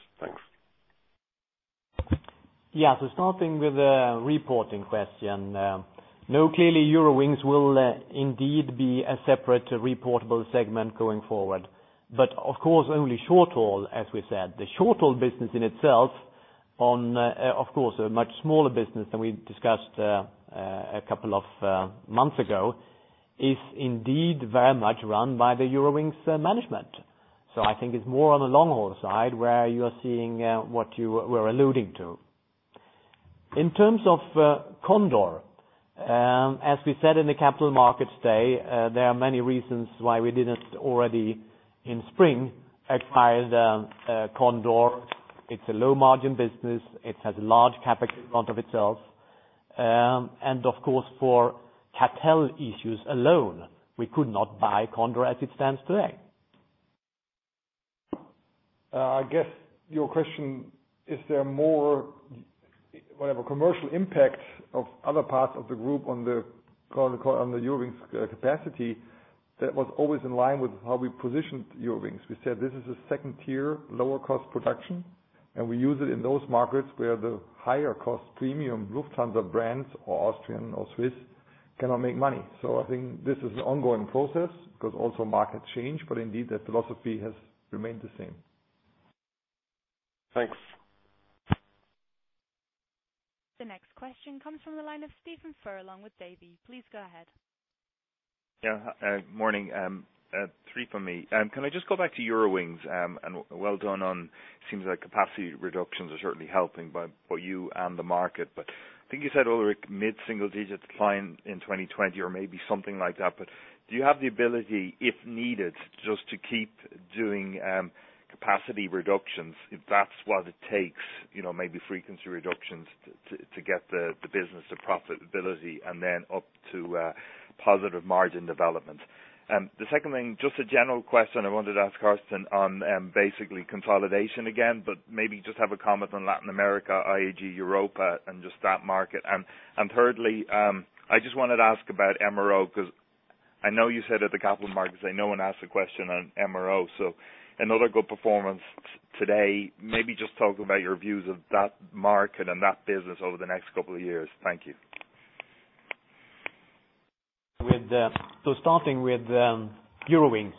Thanks. Yeah. Starting with the reporting question. No, clearly, Eurowings will indeed be a separate reportable segment going forward. Of course, only short haul, as we said. The short haul business in itself, of course, a much smaller business than we discussed a couple of months ago, is indeed very much run by the Eurowings management. I think it's more on the long haul side where you are seeing what you were alluding to. In terms of Condor, as we said in the capital market today, there are many reasons why we didn't already in spring acquire the Condor. It's a low-margin business. It has a large CapEx in front of itself. Of course, for cartel issues alone, we could not buy Condor as it stands today. I guess your question, is there more, whatever commercial impact of other parts of the group on the Eurowings capacity, that was always in line with how we positioned Eurowings. We said this is a second-tier, lower-cost production, and we use it in those markets where the higher cost premium Lufthansa brands or Austrian or SWISS cannot make money. I think this is an ongoing process because also markets change, but indeed, that philosophy has remained the same. Thanks. The next question comes from the line of Stephen Furlong, along with Davy. Please go ahead. Yeah. Morning. Three from me. Can I just go back to Eurowings? Well done on, seems like capacity reductions are certainly helping both you and the market. I think you said, Ulrik, mid-single digits decline in 2020 or maybe something like that, but do you have the ability, if needed, just to keep doing capacity reductions if that's what it takes, maybe frequency reductions to get the business to profitability and then up to a positive margin development? The second thing, just a general question I wanted to ask Carsten on basically consolidation again, but maybe just have a comment on Latin America, i.e. Air Europa and just that market. Thirdly, I just wanted to ask about MRO because I know you said at the capital markets day, no one asked a question on MRO. Another good performance today. Maybe just talk about your views of that market and that business over the next couple of years. Thank you. Starting with Eurowings.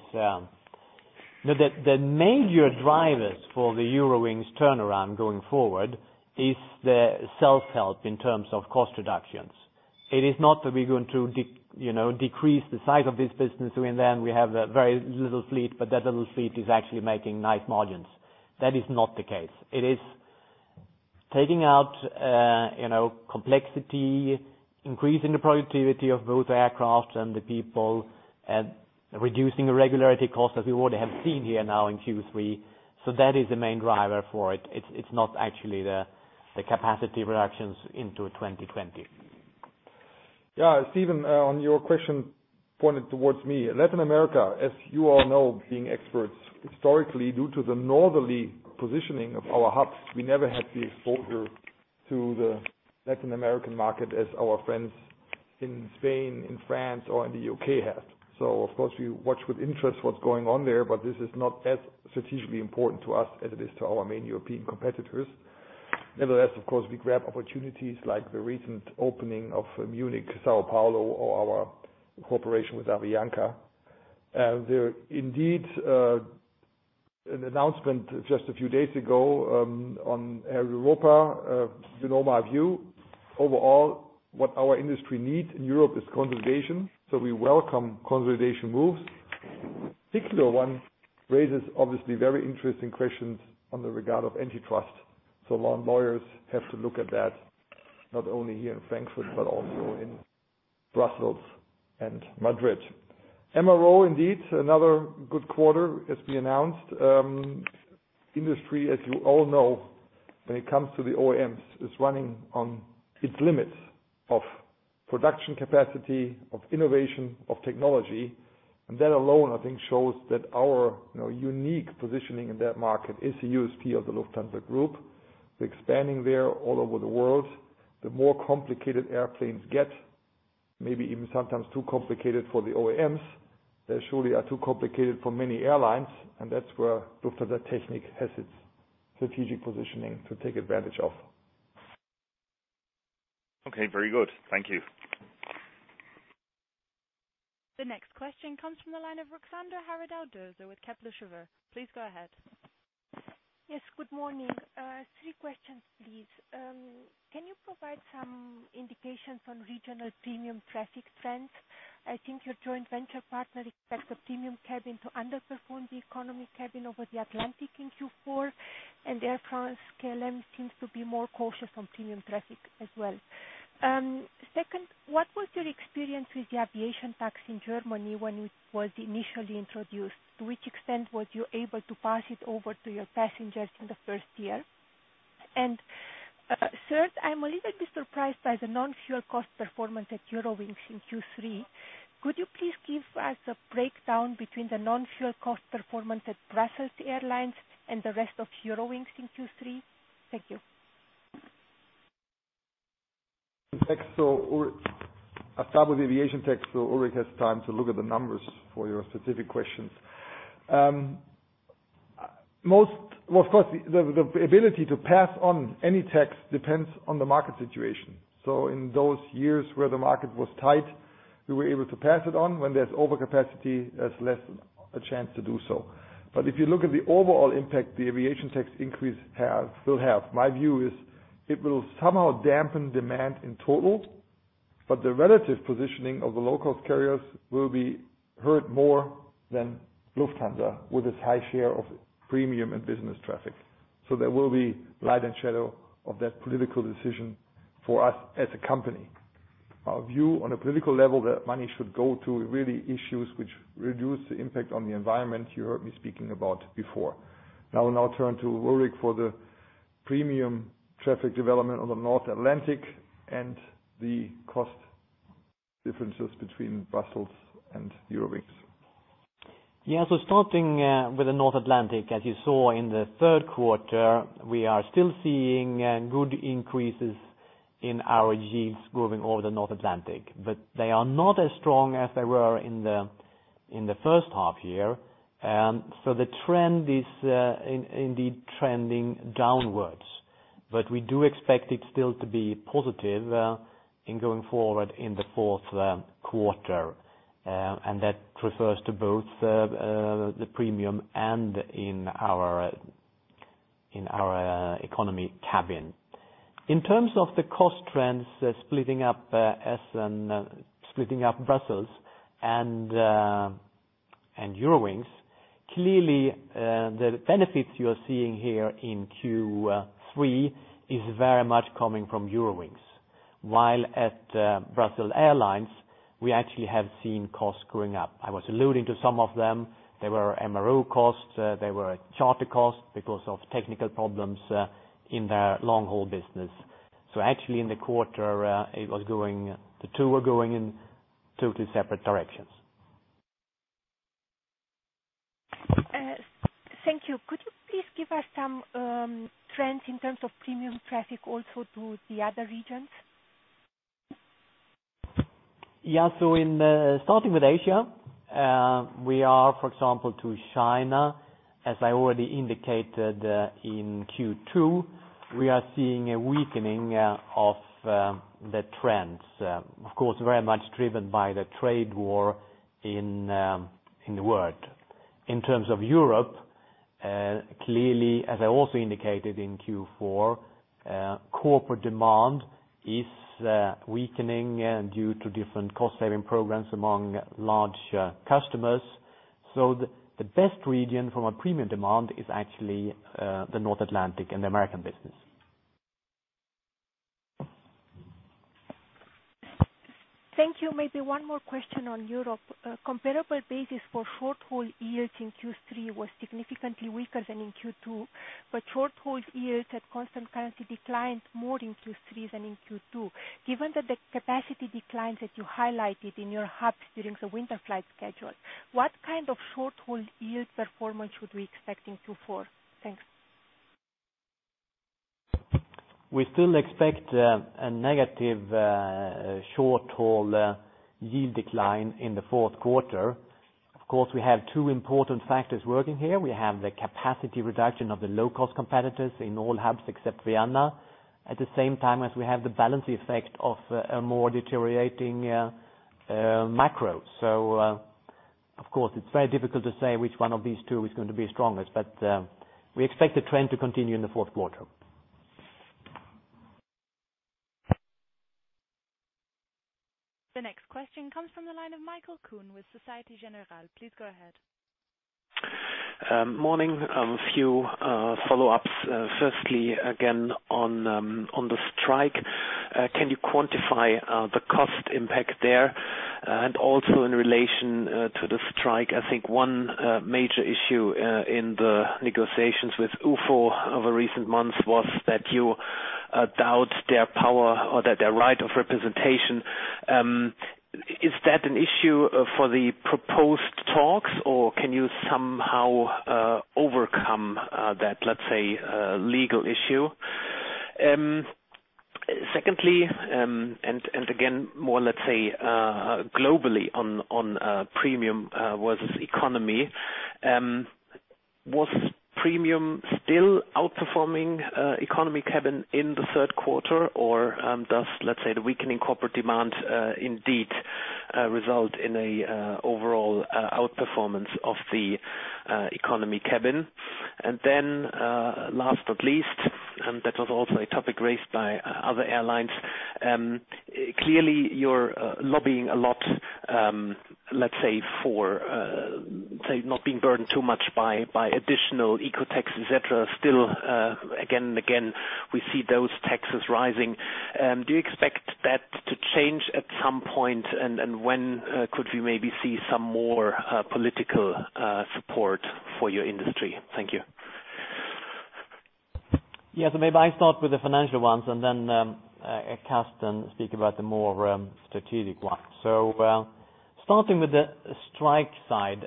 The major drivers for the Eurowings turnaround going forward is the self-help in terms of cost reductions. It is not that we're going to decrease the size of this business, and then we have a very little fleet, but that little fleet is actually making nice margins. That is not the case. It is taking out complexity, increasing the productivity of both aircraft and the people, and reducing the regularity cost as we already have seen here now in Q3. That is the main driver for it. It's not actually the capacity reductions into 2020. Stephen, on your question pointed towards me. Latin America, as you all know, being experts, historically, due to the northerly positioning of our hubs, we never had the exposure to the Latin American market as our friends in Spain, in France, or in the U.K. have. Of course we watch with interest what's going on there, but this is not as strategically important to us as it is to our main European competitors. Nevertheless, of course, we grab opportunities like the recent opening of Munich, São Paulo, or our cooperation with Avianca. There indeed an announcement just a few days ago on Air Europa. You know my view. Overall, what our industry needs in Europe is consolidation, we welcome consolidation moves. This particular one raises obviously very interesting questions on the regard of antitrust. Our lawyers have to look at that not only here in Frankfurt but also in Brussels and Madrid. MRO, indeed, another good quarter as we announced. Industry, as you all know, when it comes to the OEMs, is running on its limits of production capacity, of innovation, of technology, and that alone, I think, shows that our unique positioning in that market is the USP of the Lufthansa Group. We're expanding there all over the world. The more complicated airplanes get, maybe even sometimes too complicated for the OEMs, they surely are too complicated for many airlines, and that's where Lufthansa Technik has its strategic positioning to take advantage of. Okay. Very good. Thank you. The next question comes from the line of Ruxandra Haradau-Doser with Kepler Cheuvreux. Please go ahead. Yes, good morning. Three questions, please. Can you provide some indications on regional premium traffic trends? I think your joint venture partner expects the premium cabin to underperform the economy cabin over the Atlantic in Q4, and Air France-KLM seems to be more cautious on premium traffic as well. Second, what was your experience with the aviation tax in Germany when it was initially introduced? To which extent were you able to pass it over to your passengers in the first year? Third, I'm a little bit surprised by the non-fuel cost performance at Eurowings in Q3. Could you please give us a breakdown between the non-fuel cost performance at Brussels Airlines and the rest of Eurowings in Q3? Thank you. I'll start with aviation tax. Ulrik has time to look at the numbers for your specific questions. Of course, the ability to pass on any tax depends on the market situation. In those years where the market was tight, we were able to pass it on. When there's overcapacity, there's less a chance to do so. If you look at the overall impact the aviation tax increase will have, my view is it will somehow dampen demand in total, but the relative positioning of the low-cost carriers will be hurt more than Lufthansa with its high share of premium and business traffic. There will be light and shadow of that political decision for us as a company. Our view on a political level, that money should go to really issues which reduce the impact on the environment you heard me speaking about before. I will now turn to Ulrik for the premium traffic development on the North Atlantic and the cost differences between Brussels and Eurowings. Starting with the North Atlantic, as you saw in the third quarter, we are still seeing good increases in our yields growing over the North Atlantic, but they are not as strong as they were in the first half year. The trend is indeed trending downwards, but we do expect it still to be positive in going forward in the fourth quarter. That refers to both the premium and in our economy cabin. In terms of the cost trends splitting up Brussels and Eurowings, clearly, the benefits you are seeing here in Q3 is very much coming from Eurowings. At Brussels Airlines, we actually have seen costs going up. I was alluding to some of them. They were MRO costs. They were charter costs because of technical problems in their long-haul business. Actually in the quarter, the two were going in totally separate directions. Thank you. Could you please give us some trends in terms of premium traffic also to the other regions? Yeah. Starting with Asia, we are, for example, to China, as I already indicated in Q2, we are seeing a weakening of the trends. Of course, very much driven by the trade war in the world. In terms of Europe, clearly, as I also indicated in Q4, corporate demand is weakening due to different cost-saving programs among large customers. The best region from a premium demand is actually the North Atlantic and the American business. Thank you. Maybe one more question on Europe. Comparable basis for short-haul yield in Q3 was significantly weaker than in Q2, short-haul yields at constant currency declined more in Q3 than in Q2. Given that the capacity declines that you highlighted in your hubs during the winter flight schedule, what kind of short-haul yield performance should we expect in Q4? Thanks. We still expect a negative short-haul yield decline in the fourth quarter. We have two important factors working here. We have the capacity reduction of the low-cost competitors in all hubs except Vienna, at the same time as we have the balance effect of a more deteriorating macro. It's very difficult to say which one of these two is going to be strongest, but we expect the trend to continue in the fourth quarter. The next question comes from the line of Michael Kuhn with Société Générale. Please go ahead. Morning. A few follow-ups. Firstly, again, on the strike. Can you quantify the cost impact there? Also in relation to the strike, I think one major issue in the negotiations with UFO over recent months was that you doubt their power or their right of representation. Is that an issue for the proposed talks, or can you somehow overcome that, let's say, legal issue? Secondly, again, more, let's say, globally on premium versus economy. Was premium still outperforming economy cabin in the third quarter? Does, let's say, the weakening corporate demand indeed result in an overall outperformance of the economy cabin? Last but least, that was also a topic raised by other airlines. Clearly, you're lobbying a lot, let's say, for not being burdened too much by additional eco taxes, et cetera. Still, again and again, we see those taxes rising. Do you expect that to change at some point? When could we maybe see some more political support for your industry? Thank you. Yeah. Maybe I start with the financial ones and then Carsten speak about the more strategic one. Starting with the strike side.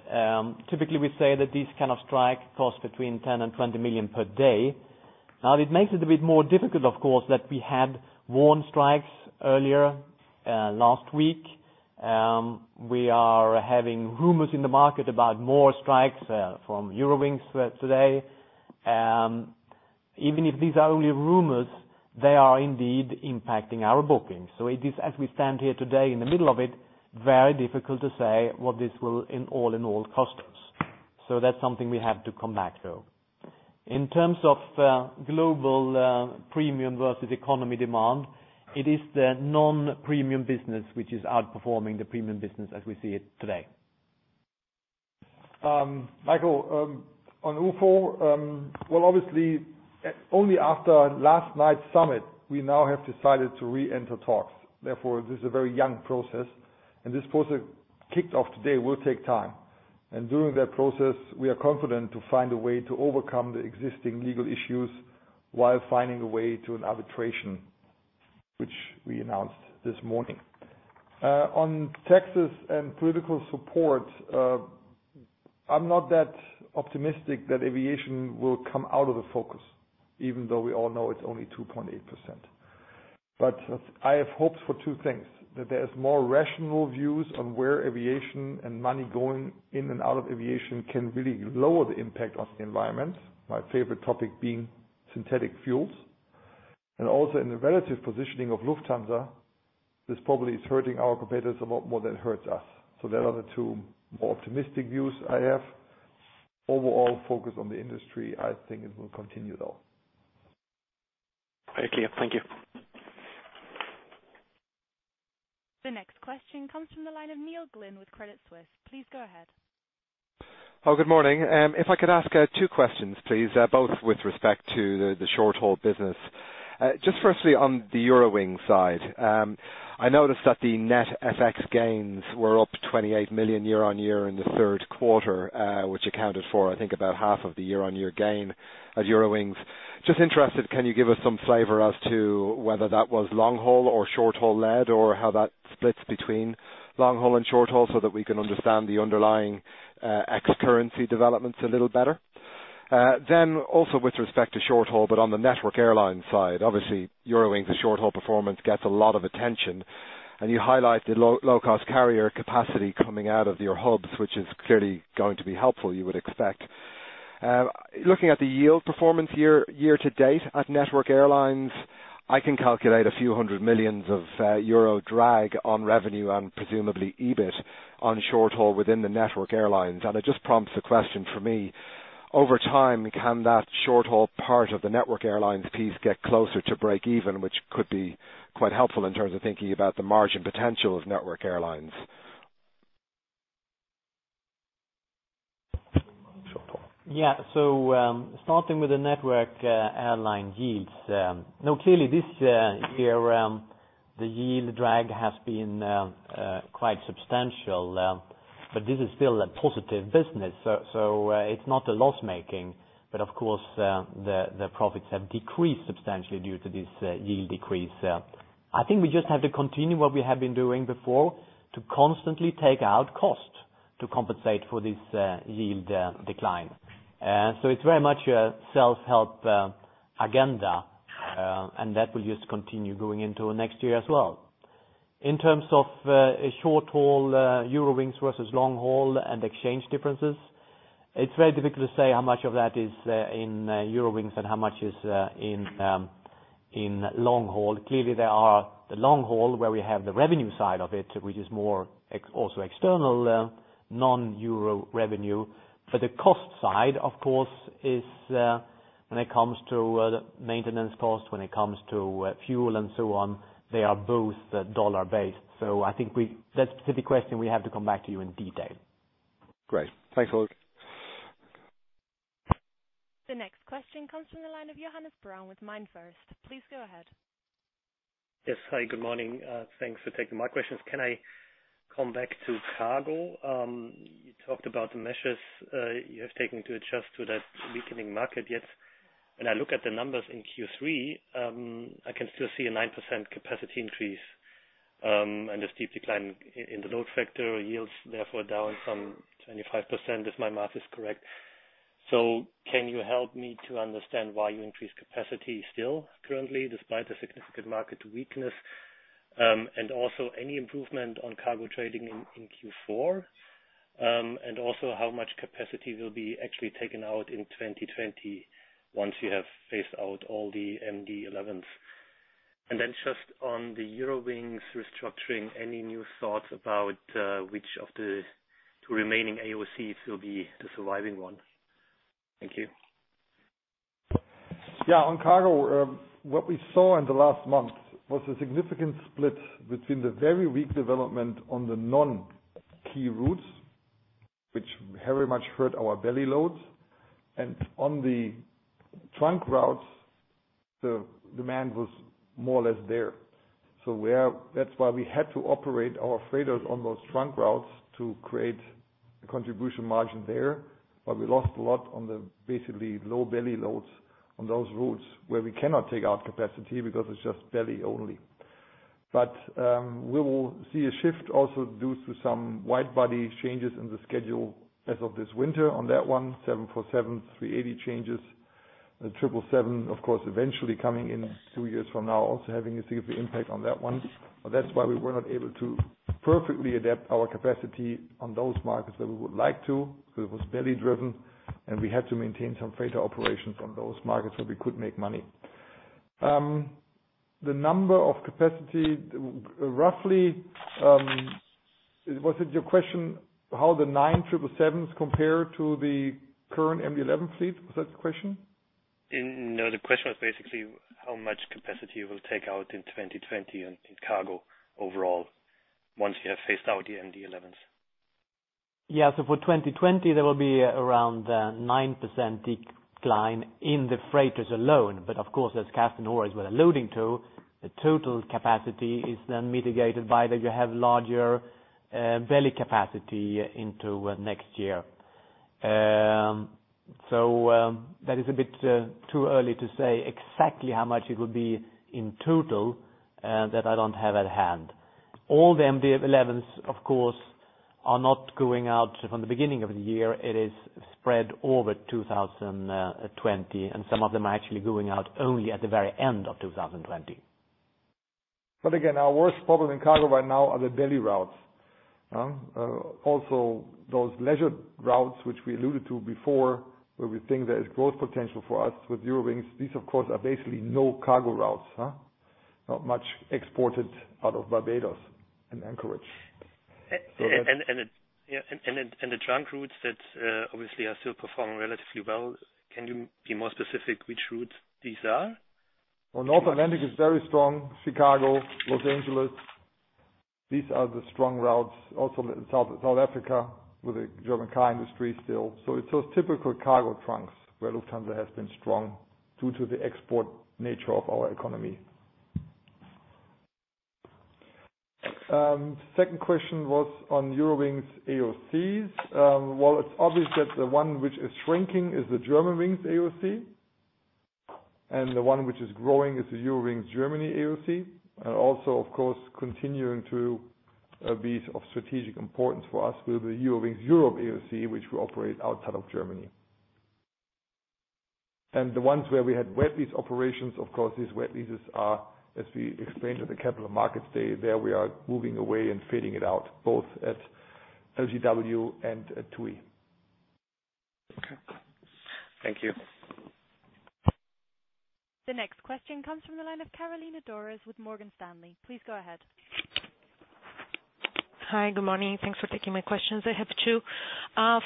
Typically, we say that these kinds of strike cost between 10 million and 20 million per day. Now, it makes it a bit more difficult, of course, that we had warning strikes earlier last week. We are having rumors in the market about more strikes from Eurowings today. Even if these are only rumors, they are indeed impacting our bookings. It is, as we stand here today in the middle of it, very difficult to say what this will all in all cost us. That's something we have to come back to. In terms of global premium versus economy demand, it is the non-premium business which is outperforming the premium business as we see it today. Michael, on UFO, well, obviously, only after last night's summit, we now have decided to reenter talks. This is a very young process. This process, kicked off today, will take time. During that process, we are confident to find a way to overcome the existing legal issues while finding a way to an arbitration, which we announced this morning. On taxes and political support, I'm not that optimistic that aviation will come out of the focus, even though we all know it's only 2.8%. I have hopes for two things, that there is more rational views on where aviation and money going in and out of aviation can really lower the impact on the environment, my favorite topic being synthetic fuels. Also in the relative positioning of Lufthansa, this probably is hurting our competitors a lot more than it hurts us. They are the two more optimistic views I have. Overall focus on the industry, I think it will continue, though. Very clear. Thank you. The next question comes from the line of Neil Glynn with Credit Suisse. Please go ahead. Good morning. If I could ask two questions, please, both with respect to the short-haul business. Just firstly, on the Eurowings side. I noticed that the net FX gains were up 28 million year-over-year in the third quarter, which accounted for, I think, about half of the year-over-year gain of Eurowings. Just interested, can you give us some flavor as to whether that was long-haul or short-haul led, or how that splits between long-haul and short-haul so that we can understand the underlying ex-currency developments a little better? Also with respect to short-haul, but on the Network Airlines side, obviously Eurowings' short-haul performance gets a lot of attention, and you highlight the low-cost carrier capacity coming out of your hubs, which is clearly going to be helpful, you would expect. Looking at the yield performance year to date at Network Airlines, I can calculate a few hundred million EUR drag on revenue and presumably EBIT on short-haul within the Network Airlines. It just prompts a question for me: Over time, can that short-haul part of the Network Airlines piece get closer to breakeven, which could be quite helpful in terms of thinking about the margin potential of Network Airlines? Yeah. Starting with the Network Airlines yields. Clearly this year, the yield drag has been quite substantial. This is still a positive business, it's not loss-making. Of course, the profits have decreased substantially due to this yield decrease. I think we just have to continue what we have been doing before to constantly take out cost to compensate for this yield decline. It's very much a self-help agenda, that will just continue going into next year as well. In terms of short-haul Eurowings versus long-haul exchange differences, it's very difficult to say how much of that is in Eurowings and how much is in long-haul. Clearly there are the long-haul, where we have the revenue side of it, which is more also external non-euro revenue. The cost side, of course, is when it comes to the maintenance cost, when it comes to fuel and so on, they are both dollar-based. I think that specific question, we have to come back to you in detail. Great. Thanks a lot. The next question comes from the line of Johannes Braun with MainFirst. Please go ahead. Yes. Hi, good morning. Thanks for taking my questions. Can I come back to cargo? You talked about the measures you have taken to adjust to that weakening market. When I look at the numbers in Q3, I can still see a 9% capacity increase, and a steep decline in the load factor yields, therefore down some 25%, if my math is correct. Can you help me to understand why you increase capacity still currently, despite the significant market weakness? Any improvement on cargo trading in Q4? How much capacity will be actually taken out in 2020 once you have phased out all the MD-11s? Just on the Eurowings restructuring, any new thoughts about which of the two remaining AOCs will be the surviving one? Thank you. Yeah. On cargo, what we saw in the last month was a significant split between the very weak development on the non-key routes, which very much hurt our belly loads. On the trunk routes, the demand was more or less there. That's why we had to operate our freighters on those trunk routes to create a contribution margin there. We lost a lot on the basically low belly loads on those routes where we cannot take out capacity because it's just belly only. We will see a shift also due to some wide-body changes in the schedule as of this winter on that one, 747, A380 changes. The 777, of course, eventually coming in two years from now, also having a significant impact on that one. That's why we were not able to perfectly adapt our capacity on those markets that we would like to, because it was belly driven, and we had to maintain some freighter operations on those markets where we could make money. The number of capacity, roughly, was it your question how the nine 777s compare to the current MD-11 fleet? Was that the question? No, the question was basically how much capacity you will take out in 2020 in cargo overall, once you have phased out the MD-11s. Yeah. For 2020, there will be around a 9% decline in the freighters alone. Of course, as Carsten Spohr was alluding to, the total capacity is then mitigated by that you have larger belly capacity into next year. That is a bit too early to say exactly how much it will be in total, that I don't have at hand. All the MD-11s, of course, are not going out from the beginning of the year. It is spread over 2020, and some of them are actually going out only at the very end of 2020. Again, our worst problem in cargo right now are the belly routes. Those leisure routes, which we alluded to before, where we think there is growth potential for us with Eurowings. These, of course, are basically no cargo routes. Not much exported out of Barbados and Anchorage. The trunk routes that obviously are still performing relatively well, can you be more specific which routes these are? Well, North Atlantic is very strong. Chicago, Los Angeles, these are the strong routes. South Africa with the German car industry still. It's those typical cargo trunks where Lufthansa has been strong due to the export nature of our economy. Second question was on Eurowings AOC. While it's obvious that the one which is shrinking is the Germanwings AOC, and the one which is growing is the Eurowings Germany AOC. Of course, continuing to be of strategic importance for us will be Eurowings Europe AOC, which will operate outside of Germany. The ones where we had wet lease operations, of course, these wet leases are, as we explained at the capital markets day, there we are moving away and fading it out both at LGW and at TUI. Okay. Thank you. The next question comes from the line of Carolina Dores with Morgan Stanley. Please go ahead. Hi, good morning. Thanks for taking my questions. I have two.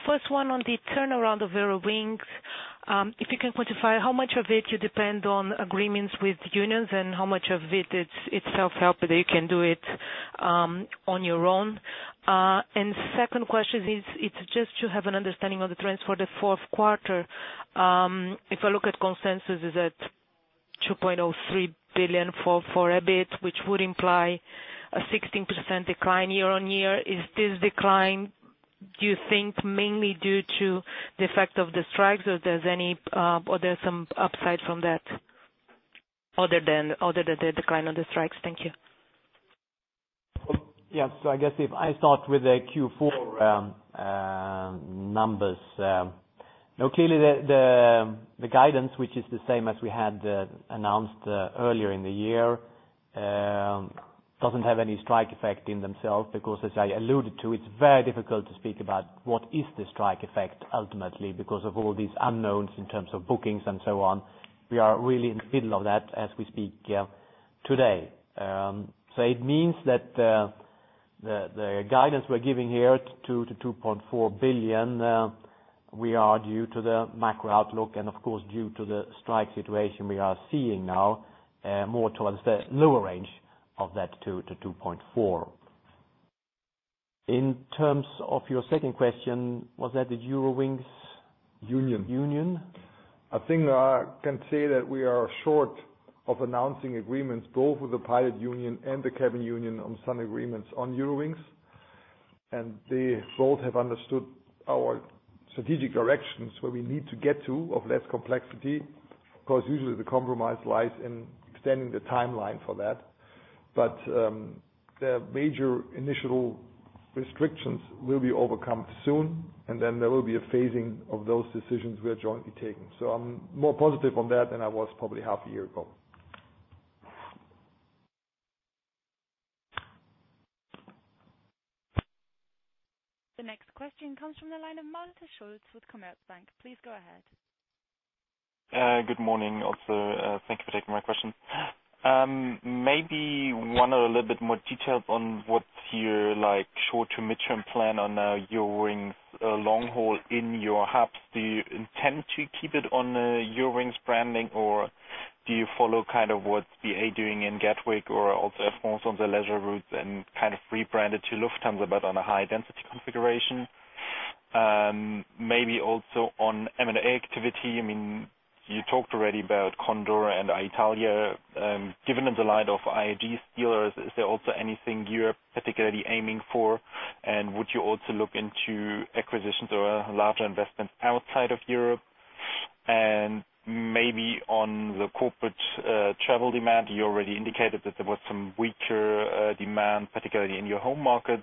First one on the turnaround of Eurowings. If you can quantify how much of it you depend on agreements with unions and how much of it is self-help that you can do it on your own. Second question is, it's just to have an understanding of the trends for the fourth quarter. If I look at consensus, is at 2.03 billion fall for EBIT, which would imply a 16% decline year-on-year. Is this decline, do you think, mainly due to the effect of the strikes? There's some upside from that other than the decline of the strikes? Thank you. Yeah. I guess if I start with the Q4 numbers. Clearly, the guidance, which is the same as we had announced earlier in the year, doesn't have any strike effect in themselves because, as I alluded to, it's very difficult to speak about what is the strike effect ultimately because of all these unknowns in terms of bookings and so on. We are really in the middle of that as we speak today. It means that the guidance we're giving here, 2 billion-2.4 billion, we are due to the macro outlook and, of course, due to the strike situation we are seeing now, more towards the lower range of that 2-2.4. In terms of your second question, was that the Eurowings? Union. Union? I think I can say that we are short of announcing agreements, both with the pilot union and the cabin union on some agreements on Eurowings. They both have understood our strategic directions, where we need to get to, of less complexity, because usually the compromise lies in extending the timeline for that. The major initial restrictions will be overcome soon, and then there will be a phasing of those decisions we are jointly taking. I'm more positive on that than I was probably half a year ago. The next question comes from the line of Malte Schulz with Commerzbank. Please go ahead. Good morning, also. Thank you for taking my question. One a little bit more detailed on what's your short to midterm plan on Eurowings long haul in your hubs. Do you intend to keep it on the Eurowings branding, or do you follow what BA doing in Gatwick or also Air France on the leisure routes and rebranded to Lufthansa, but on a high density configuration? Also on M&A activity. You talked already about Condor and Alitalia. Given in the light of IAG's deals, is there also anything you're particularly aiming for, and would you also look into acquisitions or larger investments outside of Europe? On the corporate travel demand, you already indicated that there was some weaker demand, particularly in your home market.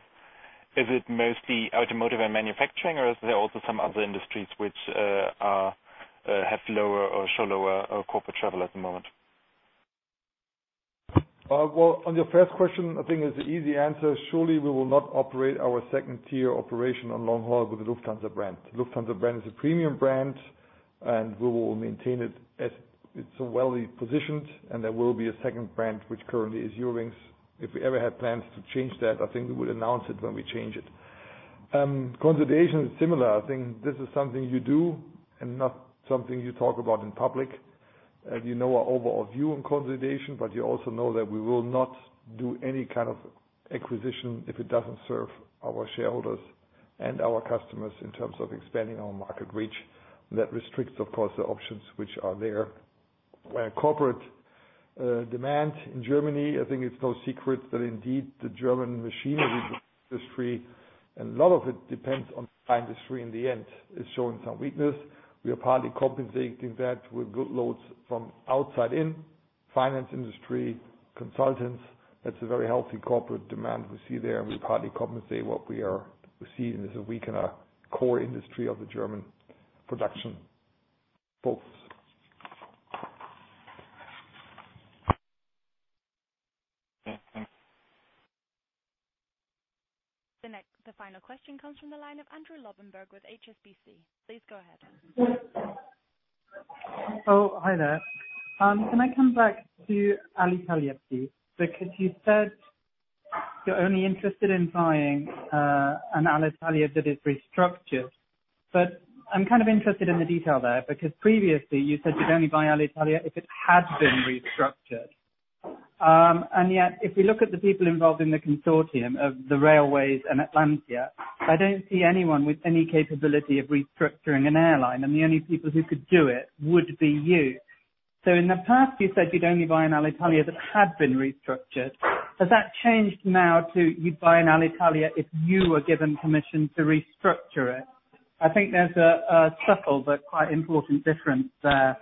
Is it mostly automotive and manufacturing, or is there also some other industries which have lower or show lower corporate travel at the moment? Well, on your first question, I think it's an easy answer. Surely, we will not operate our second-tier operation on long haul with the Lufthansa brand. Lufthansa brand is a premium brand, and we will maintain it as it's well positioned, and there will be a second brand, which currently is Eurowings. If we ever had plans to change that, I think we would announce it when we change it. Consolidation is similar. I think this is something you do and not something you talk about in public. You know our overall view on consolidation, but you also know that we will not do any kind of acquisition if it doesn't serve our shareholders and our customers in terms of expanding our market reach. That restricts, of course, the options which are there. Corporate demand in Germany, I think it's no secret that indeed the German machinery industry, and a lot of it depends on the industry in the end, is showing some weakness. We are partly compensating that with good loads from outside in. Finance industry, consultants, that's a very healthy corporate demand we see there. We partly compensate what we are seeing as a weaker core industry of the German production focus. The final question comes from the line of Andrew Lobbenberg with HSBC. Please go ahead. Hi there. Can I come back to Alitalia, please? You said you're only interested in buying an Alitalia that is restructured. I'm interested in the detail there, because previously you said you'd only buy Alitalia if it had been restructured. Yet, if we look at the people involved in the consortium of the railways and Atlantia, I don't see anyone with any capability of restructuring an airline, and the only people who could do it would be you. In the past, you said you'd only buy an Alitalia that had been restructured. Has that changed now to you'd buy an Alitalia if you were given permission to restructure it? I think there's a subtle but quite important difference there,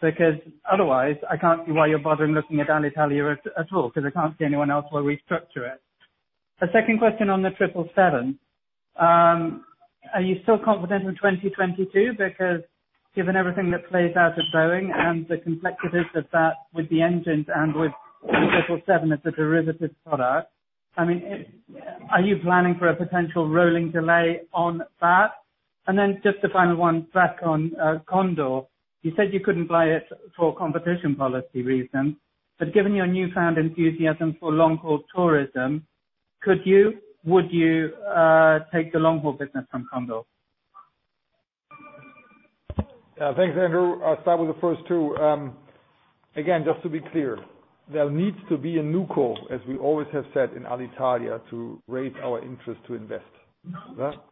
because otherwise, I can't see why you're bothering looking at Alitalia at all, because I can't see anyone else will restructure it. The second question on the 777, are you still confident in 2022? Given everything that plays out at Boeing and the complexities of that with the engines and with the 777 as a derivative product, are you planning for a potential rolling delay on that? Just the final one back on Condor. You said you couldn't buy it for competition policy reasons, given your newfound enthusiasm for long-haul tourism, could you? Would you take the long-haul business from Condor? Thanks, Andrew. I'll start with the first two. Again, just to be clear, there needs to be a new co, as we always have said in Alitalia, to raise our interest to invest.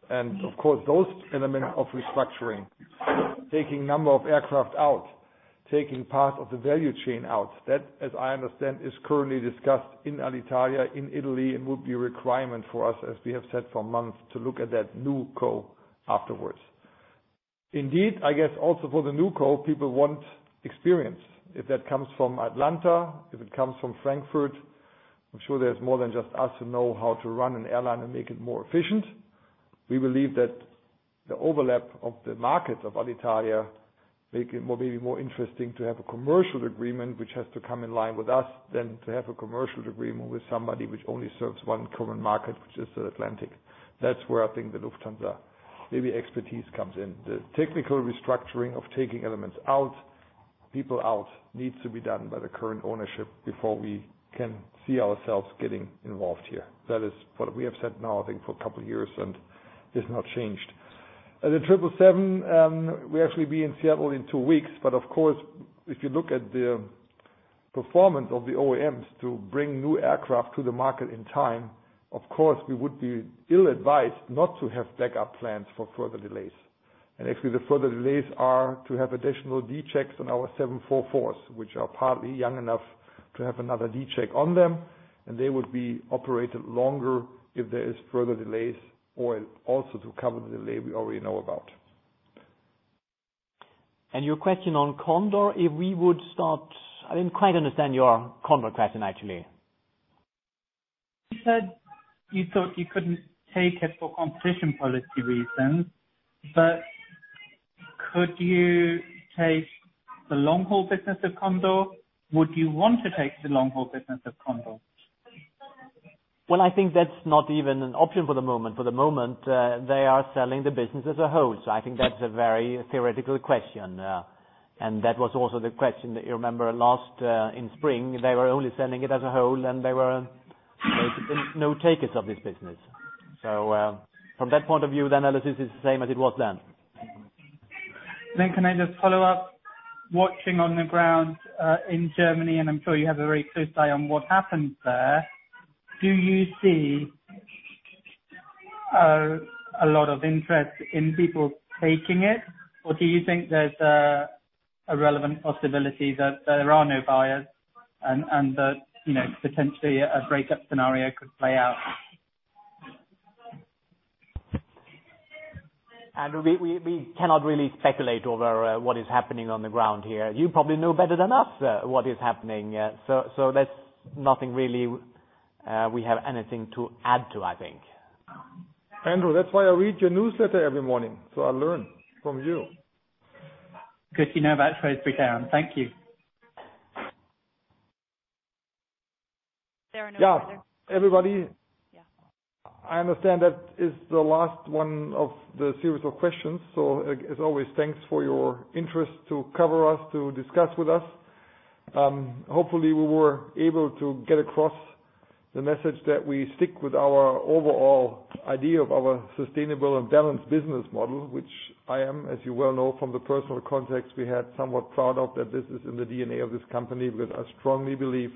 Of course, those elements of restructuring, taking number of aircraft out, taking part of the value chain out, that, as I understand, is currently discussed in Alitalia, in Italy, and would be a requirement for us, as we have said for months, to look at that new co afterwards. Indeed, I guess also for the new co, people want experience. If that comes from Atlantia, if it comes from Frankfurt, I'm sure there's more than just us who know how to run an airline and make it more efficient. We believe that the overlap of the markets of Alitalia make it maybe more interesting to have a commercial agreement, which has to come in line with us than to have a commercial agreement with somebody which only serves one common market, which is the Atlantic. That's where I think the Lufthansa maybe expertise comes in. The technical restructuring of taking elements out, people out, needs to be done by the current ownership before we can see ourselves getting involved here. That is what we have said now, I think, for a couple of years, and it's not changed. The 777, we'll actually be in Seattle in two weeks, but of course, if you look at the performance of the OEMs to bring new aircraft to the market in time, of course, we would be ill-advised not to have backup plans for further delays. Actually, the further delays are to have additional D checks on our 744s, which are partly young enough to have another D check on them, and they would be operated longer if there is further delays or also to cover the delay we already know about. Your question on Condor, I didn't quite understand your Condor question, actually. You said you thought you couldn't take it for competition policy reasons, but could you take the long-haul business of Condor? Would you want to take the long-haul business of Condor? Well, I think that's not even an option for the moment. For the moment, they are selling the business as a whole. I think that's a very theoretical question. That was also the question that you remember last in spring, they were only selling it as a whole, and there were basically no takers of this business. From that point of view, the analysis is the same as it was then. Can I just follow up, watching on the ground, in Germany, and I'm sure you have a very close eye on what happens there, do you see a lot of interest in people taking it? Or do you think there's a relevant possibility that there are no buyers and that potentially a breakup scenario could play out? Andrew, we cannot really speculate over what is happening on the ground here. You probably know better than us what is happening. That's nothing really we have anything to add to, I think. Andrew, that's why I read your newsletter every morning, so I learn from you. Good. You know about phase III down. Thank you. There are no further. Yeah. Yeah I understand that is the last one of the series of questions. As always, thanks for your interest to cover us, to discuss with us. Hopefully we were able to get across the message that we stick with our overall idea of our sustainable and balanced business model, which I am, as you well know from the personal context, we had somewhat proud of that this is in the DNA of this company because I strongly believe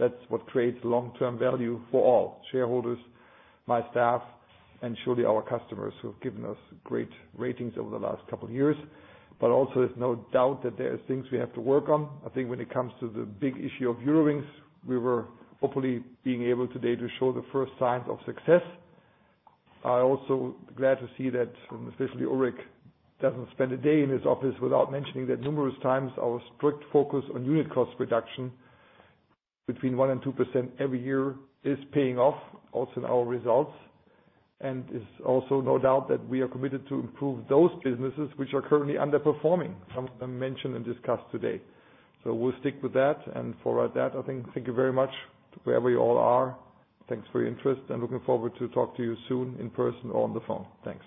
that's what creates long-term value for all shareholders, my staff, and surely our customers who have given us great ratings over the last couple of years. Also there's no doubt that there are things we have to work on. I think when it comes to the big issue of Eurowings, we were hopefully being able today to show the first signs of success. I am also glad to see that, especially Ulrik, doesn't spend a day in his office without mentioning the numerous times our strict focus on unit cost reduction between 1% and 2% every year is paying off, also in our results. Is also no doubt that we are committed to improve those businesses which are currently underperforming. Some of them mentioned and discussed today. We'll stick with that and forward that. I think thank you very much wherever you all are. Thanks for your interest and looking forward to talk to you soon in person or on the phone. Thanks.